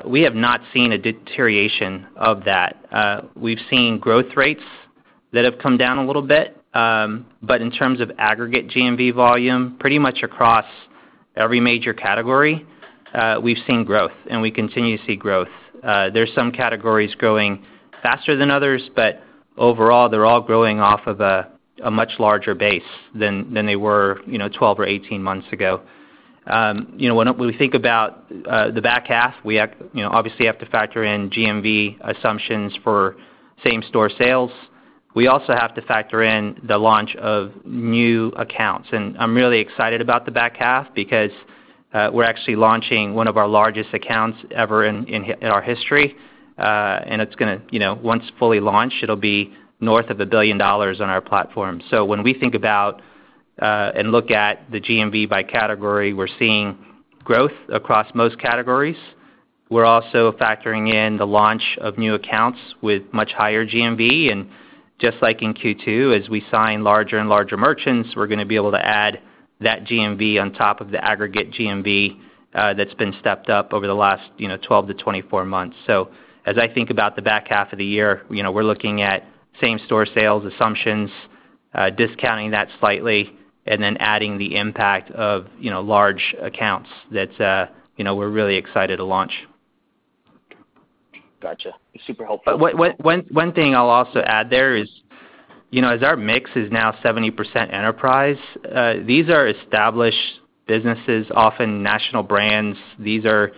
We have not seen a deterioration of that. We've seen growth rates that have come down a little bit, but in terms of aggregate GMV volume, pretty much across every major category, we've seen growth, and we continue to see growth. There's some categories growing faster than others, but overall, they're all growing off of a much larger base than they were, you know, 12 or 18 months ago. You know, when we think about the back half, we obviously have to factor in GMV assumptions for same-store sales. We also have to factor in the launch of new accounts. I'm really excited about the back half because we're actually launching one of our largest accounts ever in our history. It's gonna, you know, once fully launched, it'll be north of $1 billion on our platform. When we think about and look at the GMV by category, we're seeing growth across most categories. We're also factoring in the launch of new accounts with much higher GMV. Just like in Q2, as we sign larger and larger merchants, we're gonna be able to add that GMV on top of the aggregate GMV that's been stepped up over the last, you know, 12-24 months. As I think about the back half of the year, you know, we're looking at same-store sales assumptions, discounting that slightly, and then adding the impact of, you know, large accounts that, you know, we're really excited to launch. Gotcha. Super helpful. One thing I'll also add there is, you know, as our mix is now 70% enterprise, these are established businesses, often national brands. These are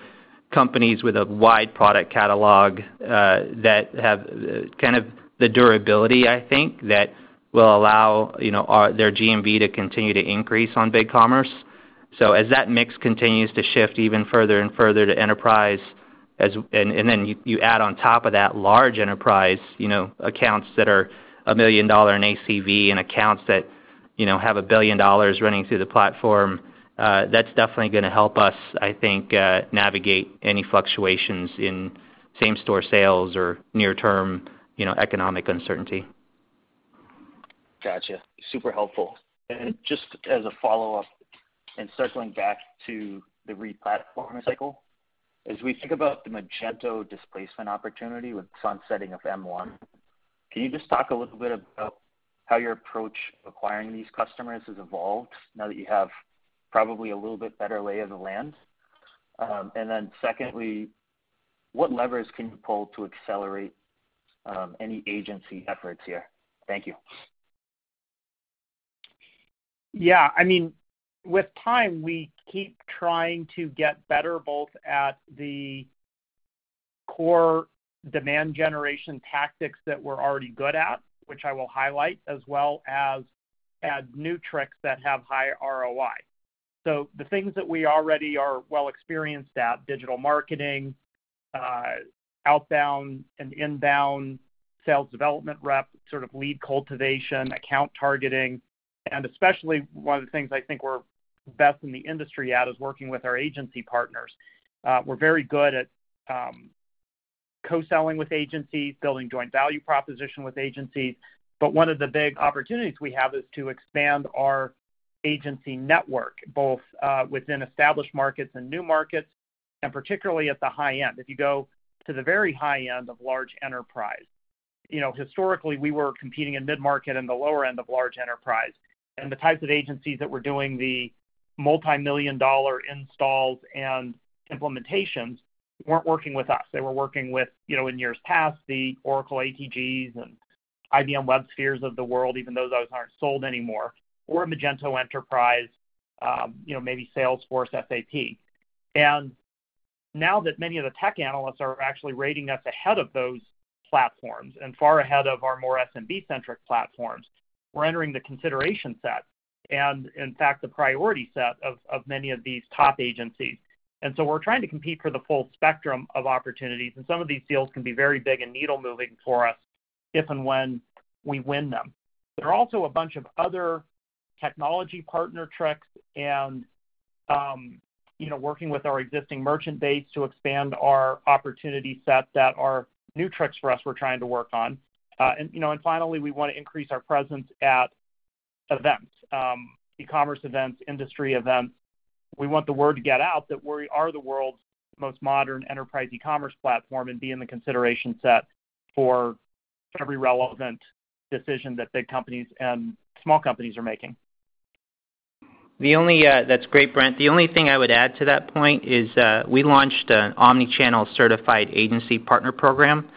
companies with a wide product catalog that have kind of the durability, I think, that will allow, you know, their GMV to continue to increase on BigCommerce. As that mix continues to shift even further and further to enterprise, then you add on top of that large enterprise, you know, accounts that are $1 million in ACV and accounts that, you know, have $1 billion running through the platform, that's definitely gonna help us, I think, navigate any fluctuations in same-store sales or near-term, you know, economic uncertainty. Gotcha. Super helpful. Just as a follow-up, and circling back to the re-platform cycle, as we think about the Magento displacement opportunity with the sunsetting of M1, can you just talk a little bit about how your approach acquiring these customers has evolved now that you have probably a little bit better lay of the land? Secondly, what levers can you pull to accelerate any agency efforts here? Thank you. Yeah. I mean, with time, we keep trying to get better both at the core demand generation tactics that we're already good at, which I will highlight, as well as add new tricks that have high ROI. The things that we already are well experienced at, digital marketing, outbound and inbound sales development rep, sort of lead cultivation, account targeting, and especially one of the things I think we're best in the industry at is working with our agency partners. We're very good at, co-selling with agencies, building joint value proposition with agencies. One of the big opportunities we have is to expand our agency network, both, within established markets and new markets, and particularly at the high end. If you go to the very high end of large enterprise. You know, historically, we were competing in mid-market and the lower end of large enterprise. The types of agencies that were doing the multimillion-dollar installs and implementations weren't working with us. They were working with, you know, in years past, the Oracle ATGs and IBM WebSpheres of the world, even those aren't sold anymore, or Magento Enterprise, you know, maybe Salesforce, SAP. Now that many of the tech analysts are actually rating us ahead of those platforms and far ahead of our more SMB-centric platforms, we're entering the consideration set and, in fact, the priority set of many of these top agencies. We're trying to compete for the full spectrum of opportunities, and some of these deals can be very big and needle-moving for us if and when we win them. There are also a bunch of other technology partner tricks and, you know, working with our existing merchant base to expand our opportunity set that are new tricks for us we're trying to work on. You know, finally, we want to increase our presence at events, eCommerce events, industry events. We want the word to get out that we are the world's most modern enterprise eCommerce platform and be in the consideration set for every relevant decision that big companies and small companies are making. That's great, Brent. The only thing I would add to that point is, we launched an omni-channel certified agency partner program,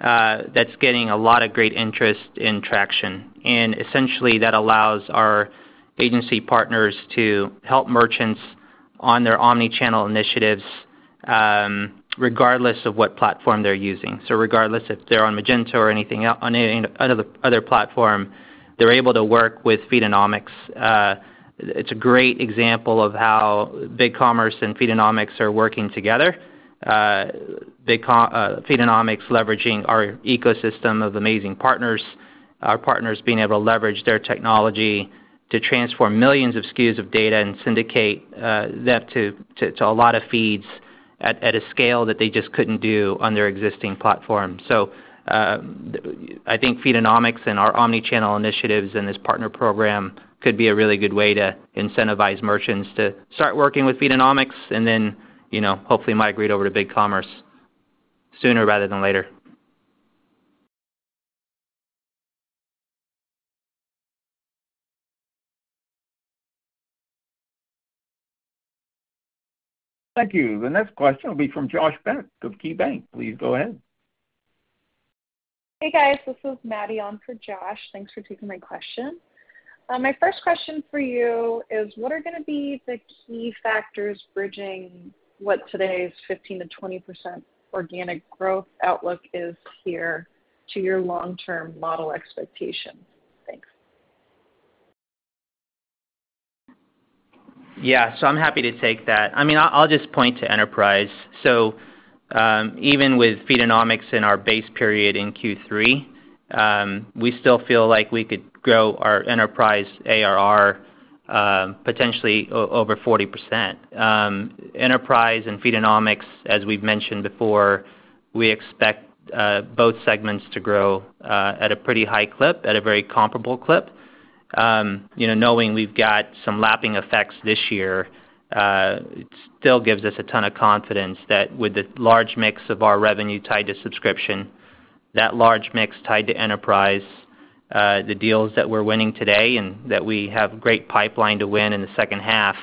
that's getting a lot of great interest and traction. Essentially, that allows our agency partners to help merchants on their omni-channel initiatives, regardless of what platform they're using. Regardless if they're on Magento or on any other platform, they're able to work with Feedonomics. It's a great example of how BigCommerce and Feedonomics are working together. Feedonomics leveraging our ecosystem of amazing partners, our partners being able to leverage their technology to transform millions of SKUs of data and syndicate that to a lot of feeds. At a scale that they just couldn't do on their existing platform. I think Feedonomics and our omni-channel initiatives and this partner program could be a really good way to incentivize merchants to start working with Feedonomics, and then, you know, hopefully migrate over to BigCommerce sooner rather than later. Thank you. The next question will be from Josh Beck of KeyBanc. Please go ahead. Hey, guys. This is Maddie on for Josh. Thanks for taking my question. My first question for you is what are gonna be the key factors bridging what today's 15%-20% organic growth outlook is here to your long-term model expectations? Thanks. Yeah. I'm happy to take that. I mean, I'll just point to Enterprise. Even with Feedonomics in our base period in Q3, we still feel like we could grow our Enterprise ARR potentially over 40%. Enterprise and Feedonomics, as we've mentioned before, we expect both segments to grow at a pretty high clip, at a very comparable clip. You know, knowing we've got some lapping effects this year, it still gives us a ton of confidence that with the large mix of our revenue tied to subscription, that large mix tied to enterprise, the deals that we're winning today and that we have great pipeline to win in the second half,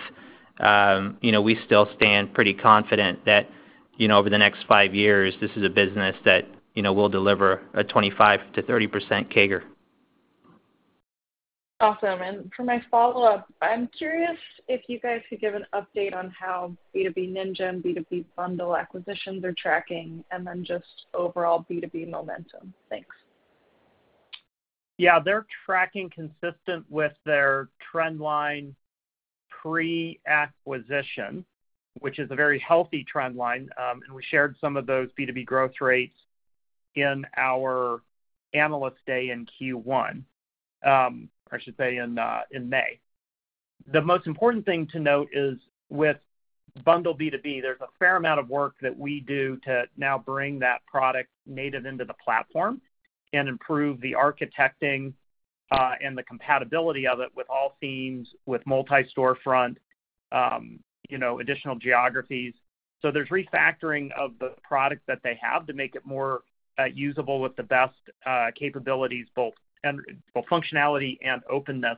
you know, we still stand pretty confident that, you know, over the next five years, this is a business that, you know, will deliver a 25%-30% CAGR. Awesome. For my follow-up, I'm curious if you guys could give an update on how B2B Ninja and BundleB2B acquisitions are tracking, and then just overall B2B momentum. Thanks. Yeah, they're tracking consistent with their trend line pre-acquisition, which is a very healthy trend line. We shared some of those B2B growth rates in our analyst day in Q1, or I should say in May. The most important thing to note is, with BundleB2B, there's a fair amount of work that we do to now bring that product native into the platform and improve the architecting, and the compatibility of it with all themes, with Multi-Storefront, you know, additional geographies. There's refactoring of the product that they have to make it more usable with the best capabilities both functionality and openness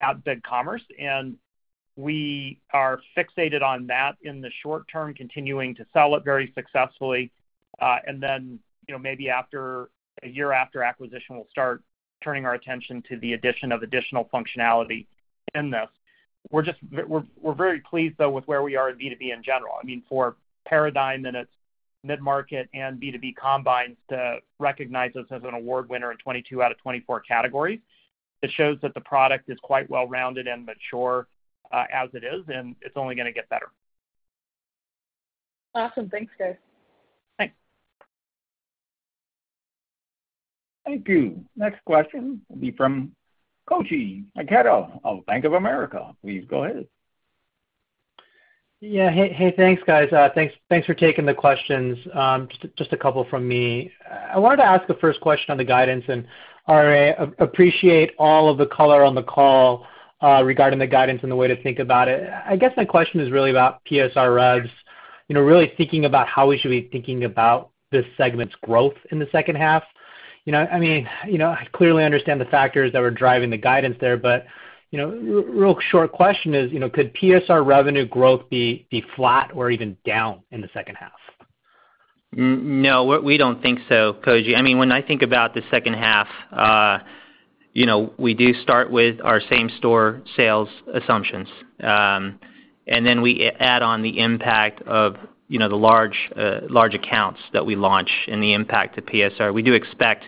at BigCommerce. We are fixated on that in the short term, continuing to sell it very successfully. You know, maybe after a year after acquisition, we'll start turning our attention to the addition of additional functionality in this. We're just very pleased, though, with where we are in B2B in general. I mean, for Paradigm B2B in its mid-market and B2B combines to recognize us as an award winner in 22 out of 24 categories, it shows that the product is quite well-rounded and mature, as it is, and it's only gonna get better. Awesome. Thanks, guys. Thanks. Thank you. Next question will be from Koji Ikeda of Bank of America. Please go ahead. Hey, thanks, guys. Thanks for taking the questions. Just a couple from me. I wanted to ask the first question on the guidance, and I appreciate all of the color on the call regarding the guidance and the way to think about it. I guess my question is really about PSR revs, you know, really thinking about how we should be thinking about this segment's growth in the second half. You know, I mean, you know, I clearly understand the factors that were driving the guidance there, but, you know, real short question is, you know, could PSR revenue growth be flat or even down in the second half? No, we don't think so, Koji. I mean, when I think about the second half, you know, we do start with our same store sales assumptions. Then we add on the impact of, you know, the large accounts that we launch and the impact to PSR. We do expect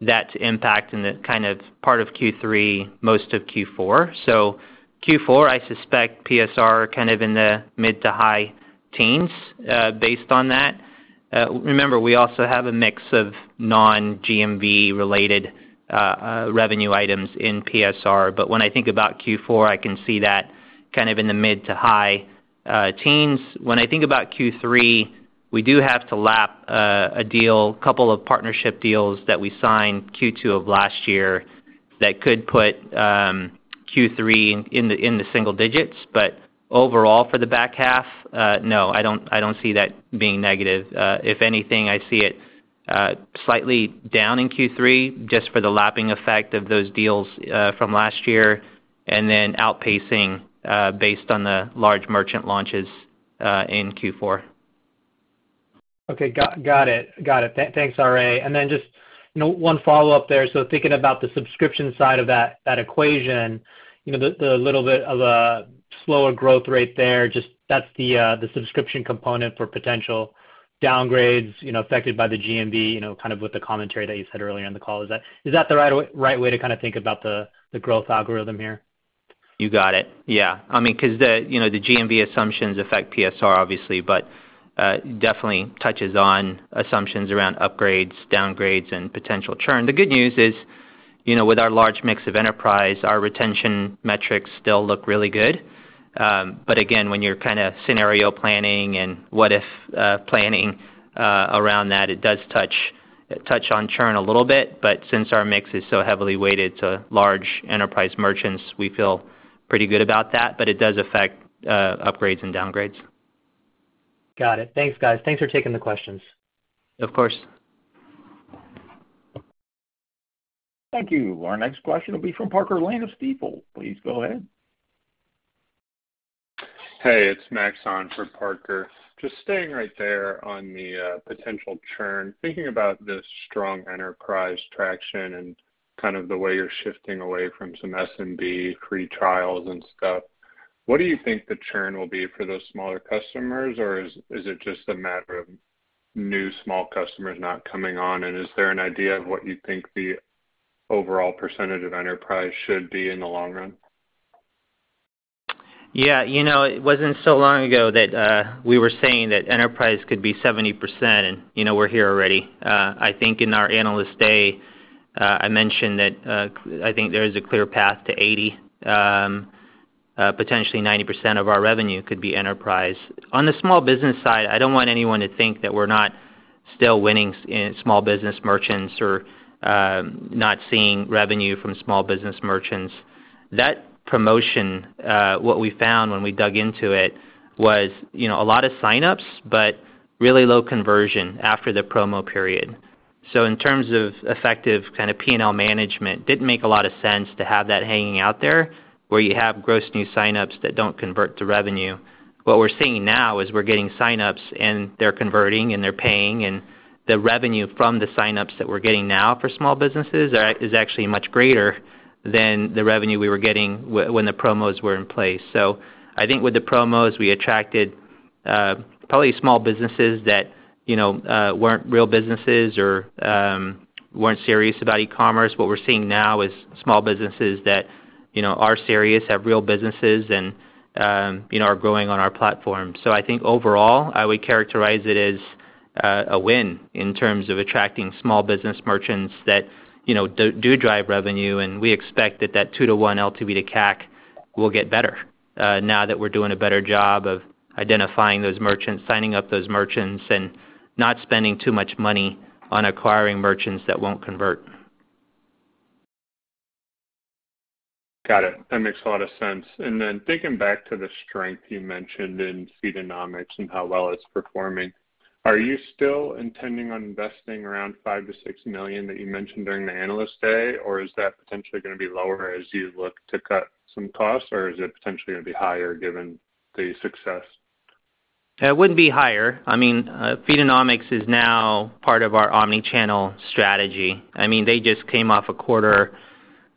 that to impact in the kind of part of Q3, most of Q4. Q4, I suspect PSR kind of in the mid to high teens, based on that. Remember, we also have a mix of non-GMV related revenue items in PSR. When I think about Q4, I can see that kind of in the mid to high teens. When I think about Q3, we do have to lap a couple of partnership deals that we signed Q2 of last year that could put Q3 in the single digits. Overall for the back half, no, I don't see that being negative. If anything, I see it slightly down in Q3 just for the lapping effect of those deals from last year, and then outpacing based on the large merchant launches in Q4. Okay. Got it. Thanks, R.A. Just, you know, one follow-up there. Thinking about the subscription side of that equation, you know, the little bit of a slower growth rate there, that's the subscription component for potential downgrades, you know, affected by the GMV, you know, kind of with the commentary that you said earlier in the call. Is that the right way to kinda think about the growth algorithm here? You got it. Yeah. I mean, 'cause the, you know, the GMV assumptions affect PSR obviously, but definitely touches on assumptions around upgrades, downgrades, and potential churn. The good news is. You know, with our large mix of enterprise, our retention metrics still look really good. Again, when you're kinda scenario planning and what if planning around that, it does touch on churn a little bit. Since our mix is so heavily weighted to large enterprise merchants, we feel pretty good about that, but it does affect upgrades and downgrades. Got it. Thanks, guys. Thanks for taking the questions. Of course. Thank you. Our next question will be from Parker Lane of Stifel. Please go ahead. Hey, it's Max on for Parker. Just staying right there on the potential churn. Thinking about the strong enterprise traction and kind of the way you're shifting away from some SMB free trials and stuff, what do you think the churn will be for those smaller customers, or is it just a matter of new small customers not coming on? Is there an idea of what you think the overall percentage of enterprise should be in the long run? Yeah. You know, it wasn't so long ago that we were saying that enterprise could be 70% and, you know, we're here already. I think in our Analyst Day, I mentioned that I think there is a clear path to 80%, potentially 90% of our revenue could be enterprise. On the small business side, I don't want anyone to think that we're not still winning in small business merchants or not seeing revenue from small business merchants. That promotion, what we found when we dug into it was, you know, a lot of signups, but really low conversion after the promo period. In terms of effective kinda P&L management, didn't make a lot of sense to have that hanging out there, where you have gross new signups that don't convert to revenue. What we're seeing now is we're getting signups, and they're converting, and they're paying, and the revenue from the signups that we're getting now for small businesses is actually much greater than the revenue we were getting when the promos were in place. I think with the promos, we attracted probably small businesses that, you know, weren't real businesses or weren't serious about e-commerce. What we're seeing now is small businesses that, you know, are serious, have real businesses and, you know, are growing on our platform. I think overall, I would characterize it as a win in terms of attracting small business merchants that, you know, do drive revenue. We expect that 2-to-1 LTV to CAC will get better, now that we're doing a better job of identifying those merchants, signing up those merchants, and not spending too much money on acquiring merchants that won't convert. Got it. That makes a lot of sense. Thinking back to the strength you mentioned in Feedonomics and how well it's performing, are you still intending on investing around $5 million-$6 million that you mentioned during the Analyst Day, or is that potentially gonna be lower as you look to cut some costs, or is it potentially gonna be higher given the success? It wouldn't be higher. I mean, Feedonomics is now part of our omni-channel strategy. I mean, they just came off a quarter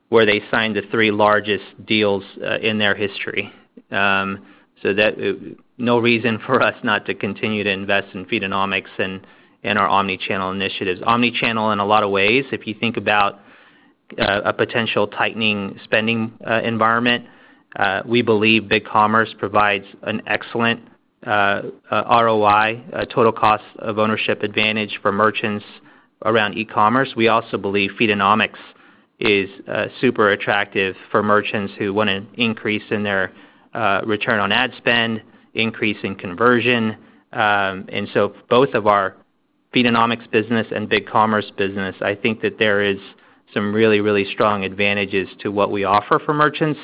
where they signed the three largest deals in their history. No reason for us not to continue to invest in Feedonomics and our omni-channel initiatives. Omni-channel in a lot of ways, if you think about a potential tightening spending environment, we believe BigCommerce provides an excellent ROI, total cost of ownership advantage for merchants around e-commerce. We also believe Feedonomics is super attractive for merchants who want an increase in their return on ad spend, increase in conversion. Both of our Feedonomics business and BigCommerce business, I think that there is some really, really strong advantages to what we offer for merchants,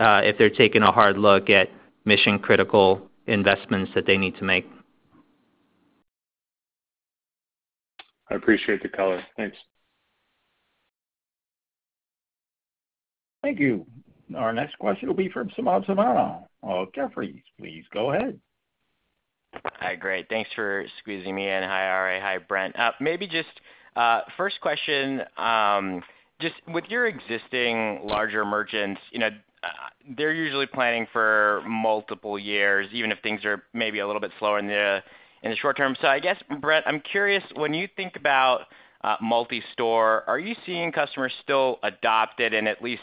if they're taking a hard look at mission-critical investments that they need to make. I appreciate the color. Thanks. Thank you. Our next question will be from Samad Samana of Jefferies. Please go ahead. Hi. Great. Thanks for squeezing me in. Hi, R.A., Hi, Brent. Maybe just first question just with your existing larger merchants, you know, they're usually planning for multiple years, even if things are maybe a little bit slower in the short term. I guess, Brent, I'm curious, when you think about Multi-Storefront, are you seeing customers still adopt it and at least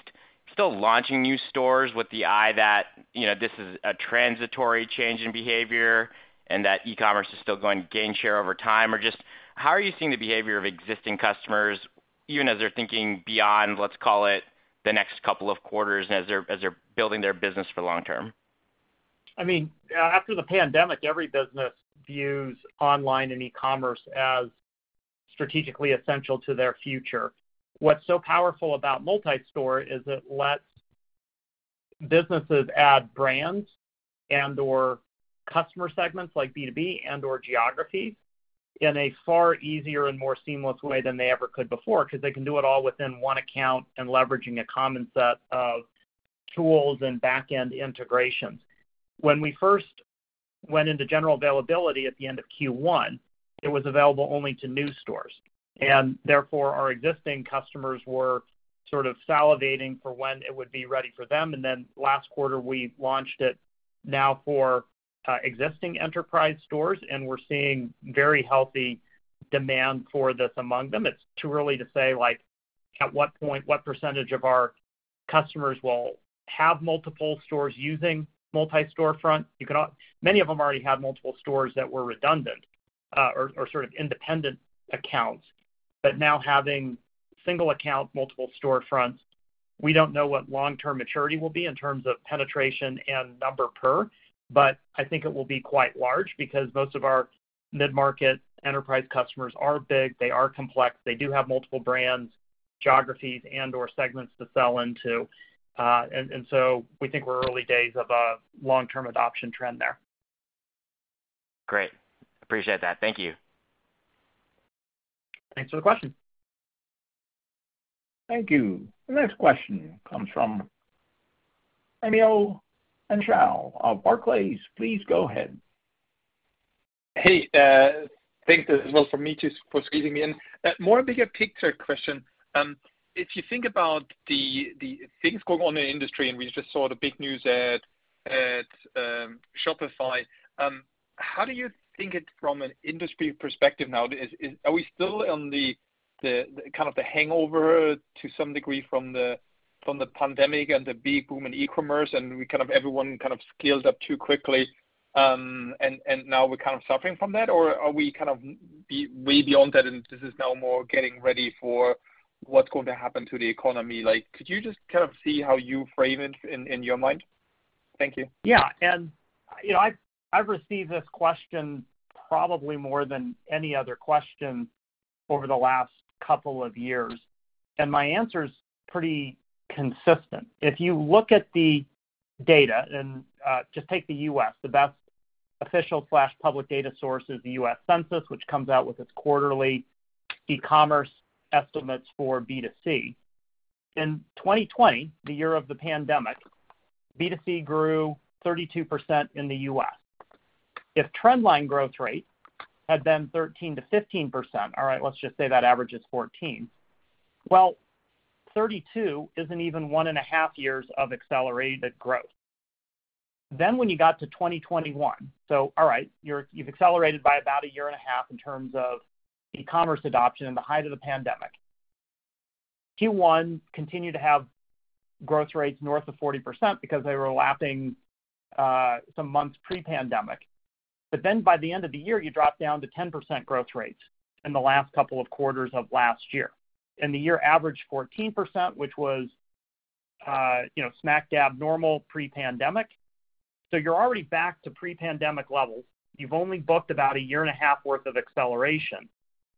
still launching new stores with the eye that, you know, this is a transitory change in behavior and that eCommerce is still going to gain share over time? Or just how are you seeing the behavior of existing customers even as they're thinking beyond, let's call it, the next couple of quarters as they're building their business for long term? I mean, after the pandemic, every business views online and eCommerce as strategically essential to their future. What's so powerful about Multi-Storefront is it lets businesses add brands and/or customer segments like B2B and/or geographies in a far easier and more seamless way than they ever could before. Because they can do it all within one account and leveraging a common set of tools and back-end integrations. When we first went into general availability at the end of Q1, it was available only to new stores, and therefore our existing customers were sort of salivating for when it would be ready for them. Last quarter, we launched it now for existing enterprise stores, and we're seeing very healthy demand for this among them. It's too early to say, like, at what point, what percentage of our customers will have multiple stores using Multi-Storefront. Many of them already have multiple stores that were redundant, or sort of independent accounts. Now having single account, multiple store fronts, we don't know what long-term maturity will be in terms of penetration and number per, but I think it will be quite large because most of our mid-market enterprise customers are big, they are complex, they do have multiple brands, geographies, and/or segments to sell into. And so we think we're early days of a long-term adoption trend there. Great. Appreciate that. Thank you. Thanks for the question. Thank you. The next question comes from Raimo Lenschow of Barclays. Please go ahead. Hey, thanks as well from me too for squeezing me in. More bigger picture question. If you think about the things going on in the industry, and we just saw the big news at Shopify, how do you think it from an industry perspective now? Are we still on the kind of hangover to some degree from the pandemic and the big boom in eCommerce, and everyone kind of scaled up too quickly, and now we're kind of suffering from that? Or are we kind of been way beyond that, and this is now more getting ready for what's going to happen to the economy? Like, could you just kind of say how you frame it in your mind? Thank you. Yeah. You know, I've received this question probably more than any other question over the last couple of years, and my answer is pretty consistent. If you look at the data and just take the U.S., the best official/public data source is the U.S. Census, which comes out with its quarterly eCommerce estimates for B2C. In 2020, the year of the pandemic, B2C grew 32% in the U.S. If trend line growth rate had been 13%-15%, all right, let's just say that average is 14%, well, 32% isn't even one and a half years of accelerated growth. When you got to 2021, so all right, you've accelerated by about a year and a half in terms of eCommerce adoption in the height of the pandemic. Q1 continued to have growth rates north of 40% because they were lapping some months pre-pandemic. By the end of the year, you drop down to 10% growth rates in the last couple of quarters of last year. The year averaged 14%, which was, you know, smack dab normal pre-pandemic. You're already back to pre-pandemic levels. You've only booked about a year and a half worth of acceleration,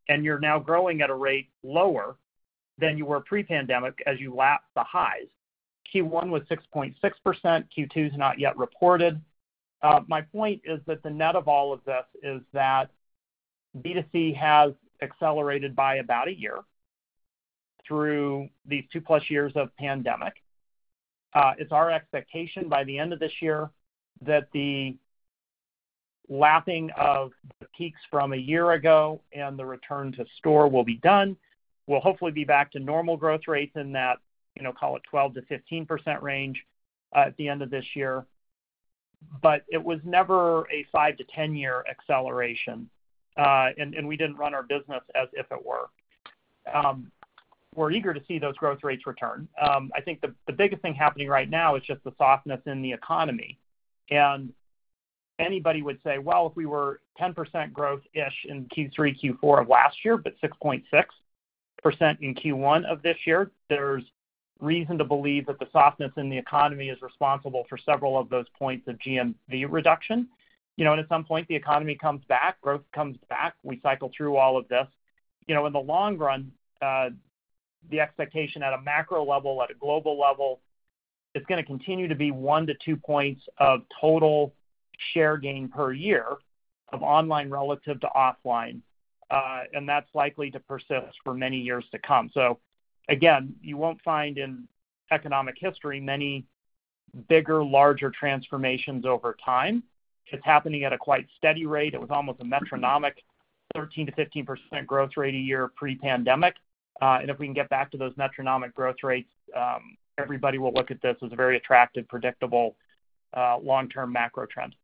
and you're now growing at a rate lower than you were pre-pandemic as you lap the highs. Q1 was 6.6%, Q2 is not yet reported. My point is that the net of all of this is that B2C has accelerated by about a year through these 2+ years of pandemic. It's our expectation by the end of this year that the lapping of the peaks from a year ago and the return to store will be done. We'll hopefully be back to normal growth rates in that, you know, call it 12%-15% range, at the end of this year. But it was never a five to 10 year acceleration, and we didn't run our business as if it were. We're eager to see those growth rates return. I think the biggest thing happening right now is just the softness in the economy. Anybody would say, well, if we were 10% growth-ish in Q3, Q4 of last year, but 6.6% in Q1 of this year, there's reason to believe that the softness in the economy is responsible for several of those points of GMV reduction. You know, at some point, the economy comes back, growth comes back, we cycle through all of this. You know, in the long run, the expectation at a macro level, at a global level, it's gonna continue to be 1-2 points of total share gain per year of online relative to offline, and that's likely to persist for many years to come. Again, you won't find in economic history many bigger, larger transformations over time. It's happening at a quite steady rate. It was almost a metronomic 13%-15% growth rate a year pre-pandemic. If we can get back to those metronomic growth rates, everybody will look at this as a very attractive, predictable, long-term macro trend.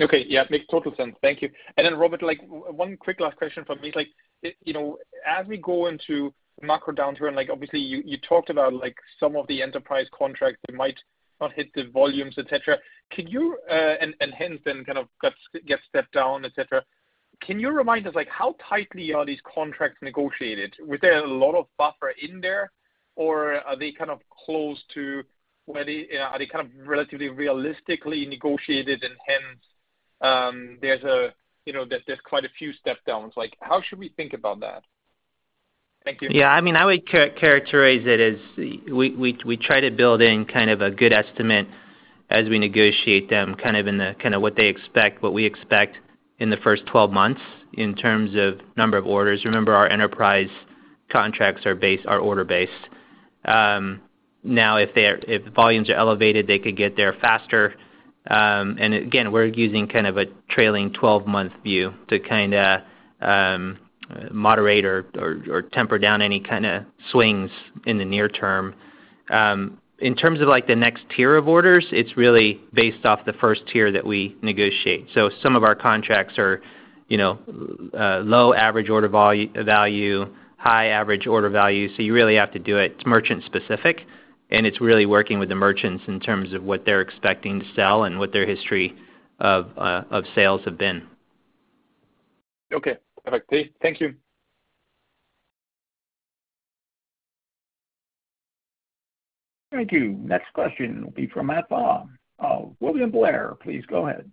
Okay. Yeah, it makes total sense. Thank you. Robert, like one quick last question from me. Like, you know, as we go into macro downturn, like obviously you talked about like some of the enterprise contracts that might not hit the volumes, etc. Could you and hence kind of gets stepped down, etc. Can you remind us like how tightly are these contracts negotiated? Was there a lot of buffer in there, or are they kind of close to where they are kind of relatively realistically negotiated and hence, there's a, you know, there's quite a few step downs? Like how should we think about that? Thank you. Yeah. I mean, I would characterize it as we try to build in kind of a good estimate as we negotiate them, kind of what they expect, what we expect in the first 12 months in terms of number of orders. Remember, our enterprise contracts are order based. Now if volumes are elevated, they could get there faster. And again, we're using kind of a trailing 12-month view to kind of moderate or temper down any kind of swings in the near term. In terms of like the next tier of orders, it's really based off the first tier that we negotiate. Some of our contracts are. You know, low average order value, high average order value, so you really have to do it. It's merchant specific, and it's really working with the merchants in terms of what they're expecting to sell and what their history of sales have been. Okay. Perfect. Thank you. Thank you. Next question will be from Matt Pfau of William Blair. Please go ahead.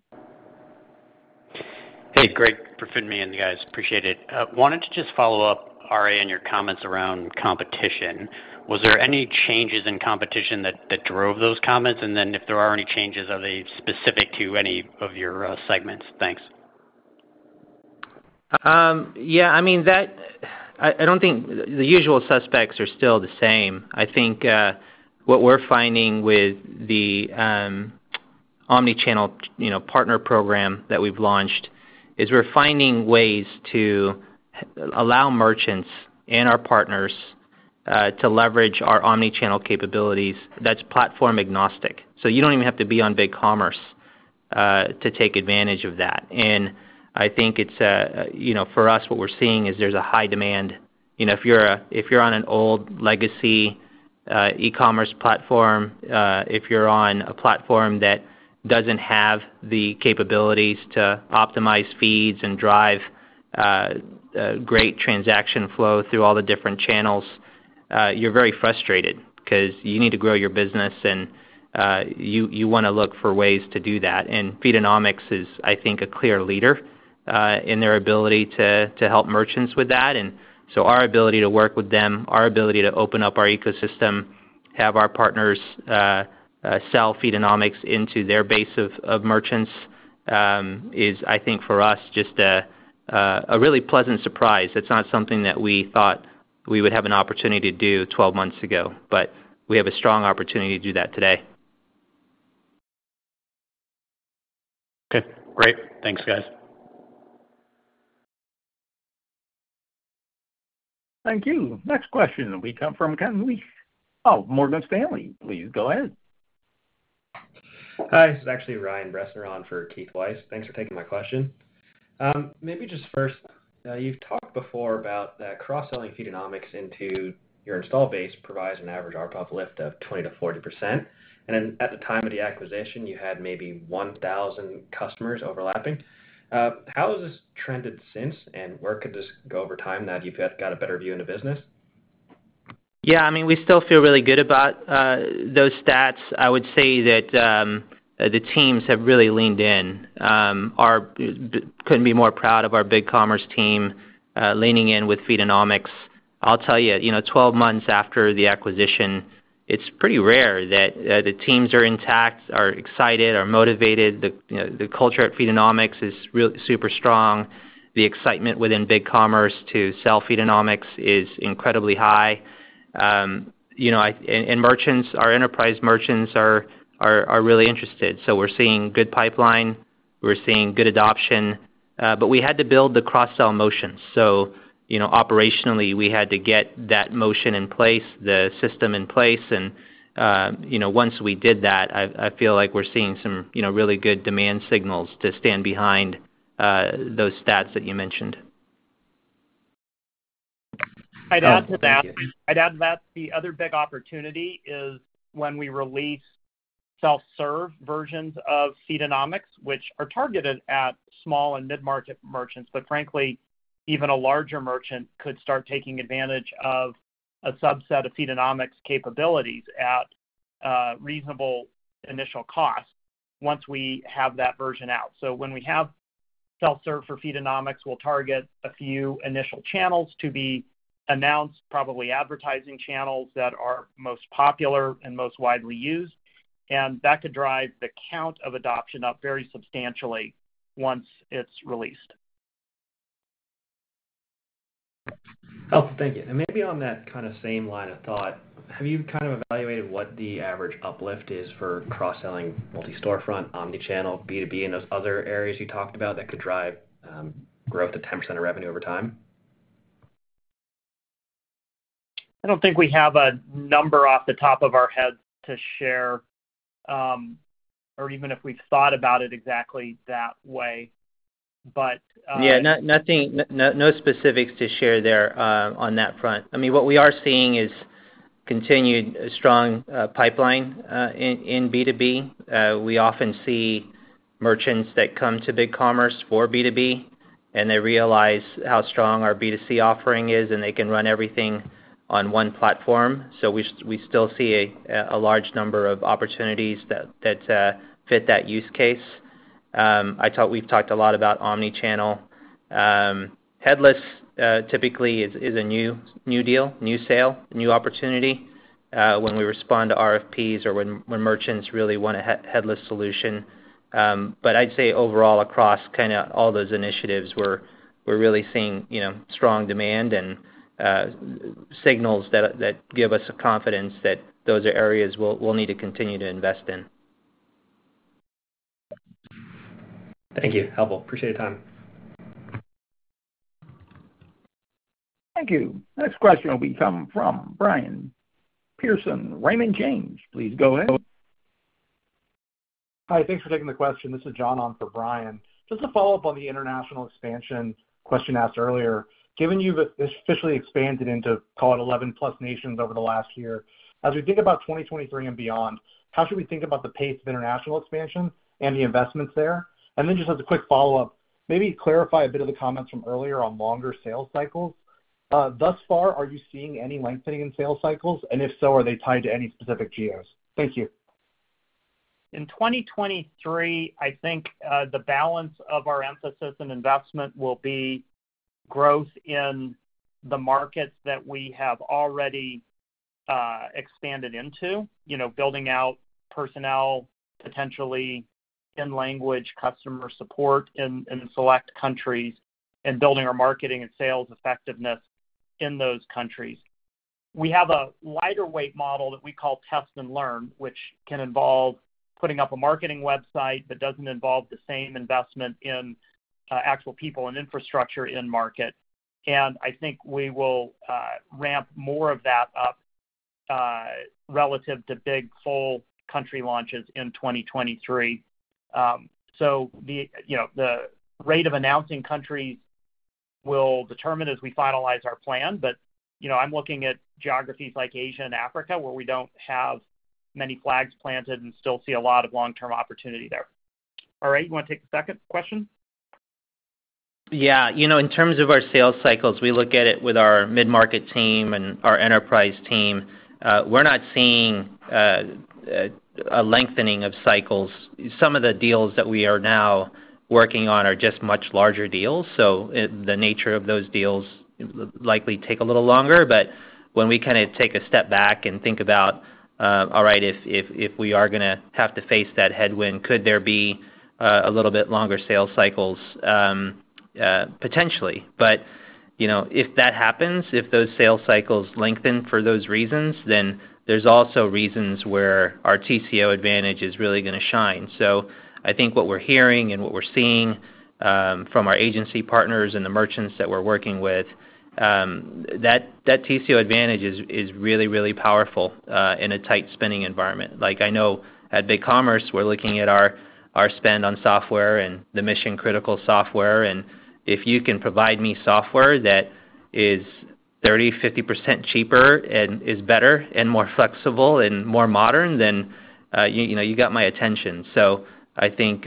Hey, Brent. From me and the guys, appreciate it. Wanted to just follow up, R.A., on your comments around competition. Was there any changes in competition that drove those comments? If there are any changes, are they specific to any of your segments? Thanks. Yeah, I mean, I don't think the usual suspects are still the same. I think what we're finding with the omnichannel, you know, partner program that we've launched, is we're finding ways to allow merchants and our partners to leverage our omnichannel capabilities that's platform agnostic. You don't even have to be on BigCommerce to take advantage of that. I think it's, you know, for us, what we're seeing is there's a high demand. You know, if you're on an old legacy eCommerce platform, if you're on a platform that doesn't have the capabilities to optimize feeds and drive great transaction flow through all the different channels, you're very frustrated because you need to grow your business and you wanna look for ways to do that. Feedonomics is, I think, a clear leader in their ability to help merchants with that. Our ability to work with them, our ability to open up our ecosystem, have our partners sell Feedonomics into their base of merchants, is I think for us just a really pleasant surprise. It's not something that we thought we would have an opportunity to do 12 months ago, but we have a strong opportunity to do that today. Okay. Great. Thanks, guys. Thank you. Next question will be coming from Keith Weiss of Morgan Stanley. Please go ahead. Hi. This is actually Ryan Bressner on for Keith Weiss. Thanks for taking my question. Maybe just first, you've talked before about the cross-selling Feedonomics into your install base provides an average ARPA lift of 20%-40%. At the time of the acquisition, you had maybe 1,000 customers overlapping. How has this trended since, and where could this go over time now that you've got a better view in the business? Yeah, I mean, we still feel really good about those stats. I would say that the teams have really leaned in. Couldn't be more proud of our BigCommerce team leaning in with Feedonomics. I'll tell you know, 12 months after the acquisition, it's pretty rare that the teams are intact, are excited, are motivated. You know, the culture at Feedonomics is super strong. The excitement within BigCommerce to sell Feedonomics is incredibly high. You know, merchants, our enterprise merchants are really interested. We're seeing good pipeline, we're seeing good adoption, but we had to build the cross-sell motion. You know, operationally, we had to get that motion in place, the system in place and, you know, once we did that, I feel like we're seeing some, you know, really good demand signals to stand behind, those stats that you mentioned. I'd add to that. Thank you. I'd add to that the other big opportunity is when we release self-serve versions of Feedonomics, which are targeted at small and mid-market merchants. Frankly, even a larger merchant could start taking advantage of a subset of Feedonomics capabilities at a reasonable initial cost once we have that version out. When we have self-serve for Feedonomics, we'll target a few initial channels to be announced, probably advertising channels that are most popular and most widely used, and that could drive the count of adoption up very substantially once it's released. Oh, thank you. Maybe on that kinda same line of thought, have you kind of evaluated what the average uplift is for cross-selling Multi-Storefront, omnichannel, B2B, and those other areas you talked about that could drive growth of 10% of revenue over time? I don't think we have a number off the top of our heads to share, or even if we've thought about it exactly that way, but Yeah. No specifics to share there, on that front. I mean, what we are seeing is continued strong pipeline in B2B. We often see merchants that come to BigCommerce for B2B, and they realize how strong our B2C offering is, and they can run everything on one platform. We still see a large number of opportunities that fit that use case. I thought we've talked a lot about omnichannel. Headless typically is a new deal, new sale, new opportunity when we respond to RFPs or when merchants really want a headless solution. I'd say overall across kinda all those initiatives, we're really seeing, you know, strong demand and signals that give us the confidence that those are areas we'll need to continue to invest in. Thank you. Helpful. Appreciate your time. Thank you. Next question will be coming from Brian Peterson, Raymond James. Please go ahead. Hi, thanks for taking the question. This is John on for Brian. Just to follow up on the international expansion question asked earlier. Given you've officially expanded into call it 11+ nations over the last year, as we think about 2023 and beyond, how should we think about the pace of international expansion and the investments there? Then just as a quick follow-up, maybe clarify a bit of the comments from earlier on longer sales cycles. Thus far, are you seeing any lengthening in sales cycles? And if so, are they tied to any specific geos? Thank you. In 2023, I think the balance of our emphasis and investment will be growth in the markets that we have already expanded into. You know, building out personnel, potentially in language customer support in select countries and building our marketing and sales effectiveness in those countries. We have a lighter weight model that we call test and learn, which can involve putting up a marketing website that doesn't involve the same investment in actual people and infrastructure in market. I think we will ramp more of that up relative to big whole country launches in 2023. The rate of announcing countries will determine as we finalize our plan. You know, I'm looking at geographies like Asia and Africa, where we don't have many flags planted and still see a lot of long-term opportunity there. All right, you wanna take the second question? Yeah. You know, in terms of our sales cycles, we look at it with our mid-market team and our enterprise team. We're not seeing a lengthening of cycles. Some of the deals that we are now working on are just much larger deals, so the nature of those deals will likely take a little longer. When we kinda take a step back and think about, if we are gonna have to face that headwind, could there be a little bit longer sales cycles? Potentially. You know, if that happens, if those sales cycles lengthen for those reasons, then there's also reasons where our TCO advantage is really gonna shine. I think what we're hearing and what we're seeing, from our agency partners and the merchants that we're working with, that TCO advantage is really powerful, in a tight spending environment. Like I know at BigCommerce, we're looking at our spend on software and the mission-critical software, and if you can provide me software that is 30%-50% cheaper and is better and more flexible and more modern, then, you know, you got my attention. I think,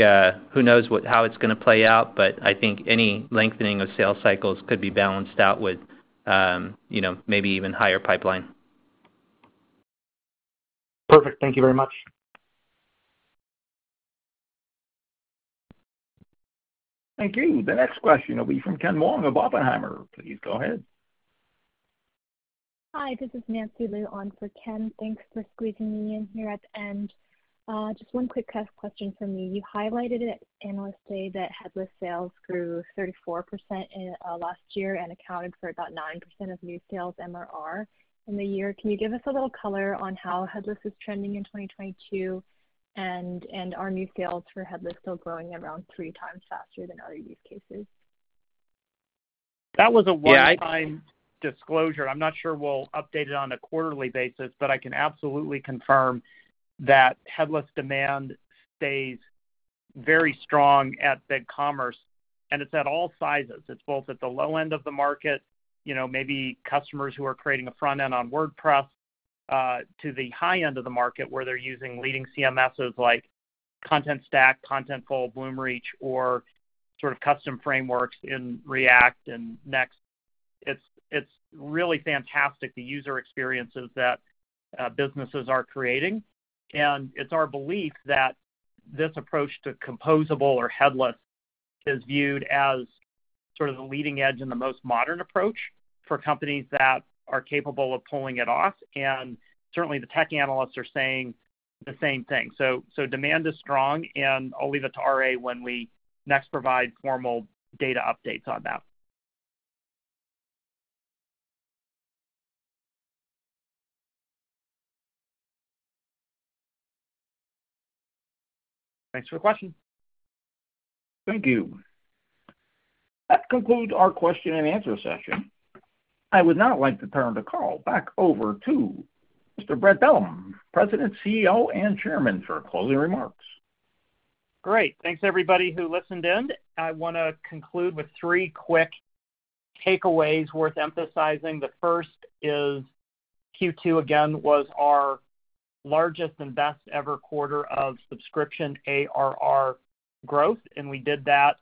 who knows what, how it's gonna play out, but I think any lengthening of sales cycles could be balanced out with, you know, maybe even higher pipeline. Perfect. Thank you very much. Thank you. The next question will be from Ken Wong of Oppenheimer. Please go ahead. Hi, this is Nancy Lu on for Ken. Thanks for squeezing me in here at the end. Just one quick question for me. You highlighted at Analyst Day that headless sales grew 34% in last year and accounted for about 9% of new sales MRR in the year. Can you give us a little color on how headless is trending in 2022? And are new sales for headless still growing around three times faster than other use cases? That was a one-time disclosure. I'm not sure we'll update it on a quarterly basis, but I can absolutely confirm that headless demand stays very strong at BigCommerce, and it's at all sizes. It's both at the low end of the market, you know, maybe customers who are creating a front end on WordPress to the high end of the market, where they're using leading CMSs like Contentstack, Contentful, Bloomreach, or sort of custom frameworks in React and Next.js. It's really fantastic, the user experiences that businesses are creating. It's our belief that this approach to composable or headless is viewed as sort of the leading edge and the most modern approach for companies that are capable of pulling it off. Certainly, the tech analysts are saying the same thing. Demand is strong, and I'll leave it to R.A. When we next provide formal data updates on that. Thanks for the question. Thank you. That concludes our question and answer session. I would now like to turn the call back over to Mr. Brent Bellm, President, CEO, and Chairman, for closing remarks. Great. Thanks, everybody who listened in. I wanna conclude with three quick takeaways worth emphasizing. The first is Q2 again was our largest and best ever quarter of subscription ARR growth, and we did that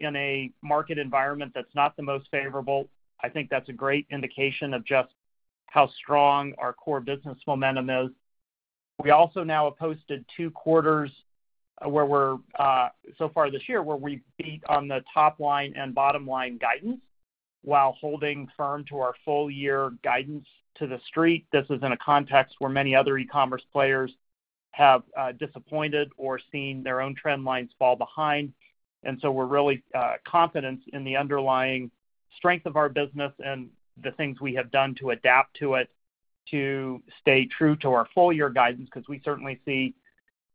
in a market environment that's not the most favorable. I think that's a great indication of just how strong our core business momentum is. We also now have posted two quarters where we're so far this year, where we beat on the top line and bottom line guidance while holding firm to our full year guidance to the street. This is in a context where many other eCommerce players have disappointed or seen their own trend lines fall behind. We're really confident in the underlying strength of our business and the things we have done to adapt to it to stay true to our full-year guidance, 'cause we certainly see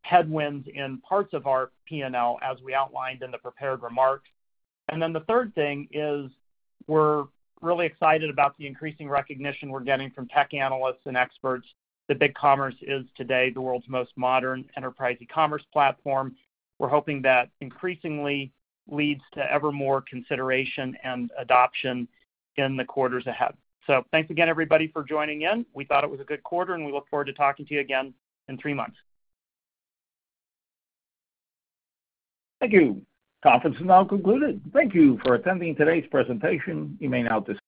headwinds in parts of our P&L as we outlined in the prepared remarks. The third thing is we're really excited about the increasing recognition we're getting from tech analysts and experts that BigCommerce is today the world's most modern enterprise eCommerce platform. We're hoping that increasingly leads to ever more consideration and adoption in the quarters ahead. Thanks again, everybody, for joining in. We thought it was a good quarter, and we look forward to talking to you again in three months. Thank you. Conference is now concluded. Thank you for attending today's presentation. You may now dis-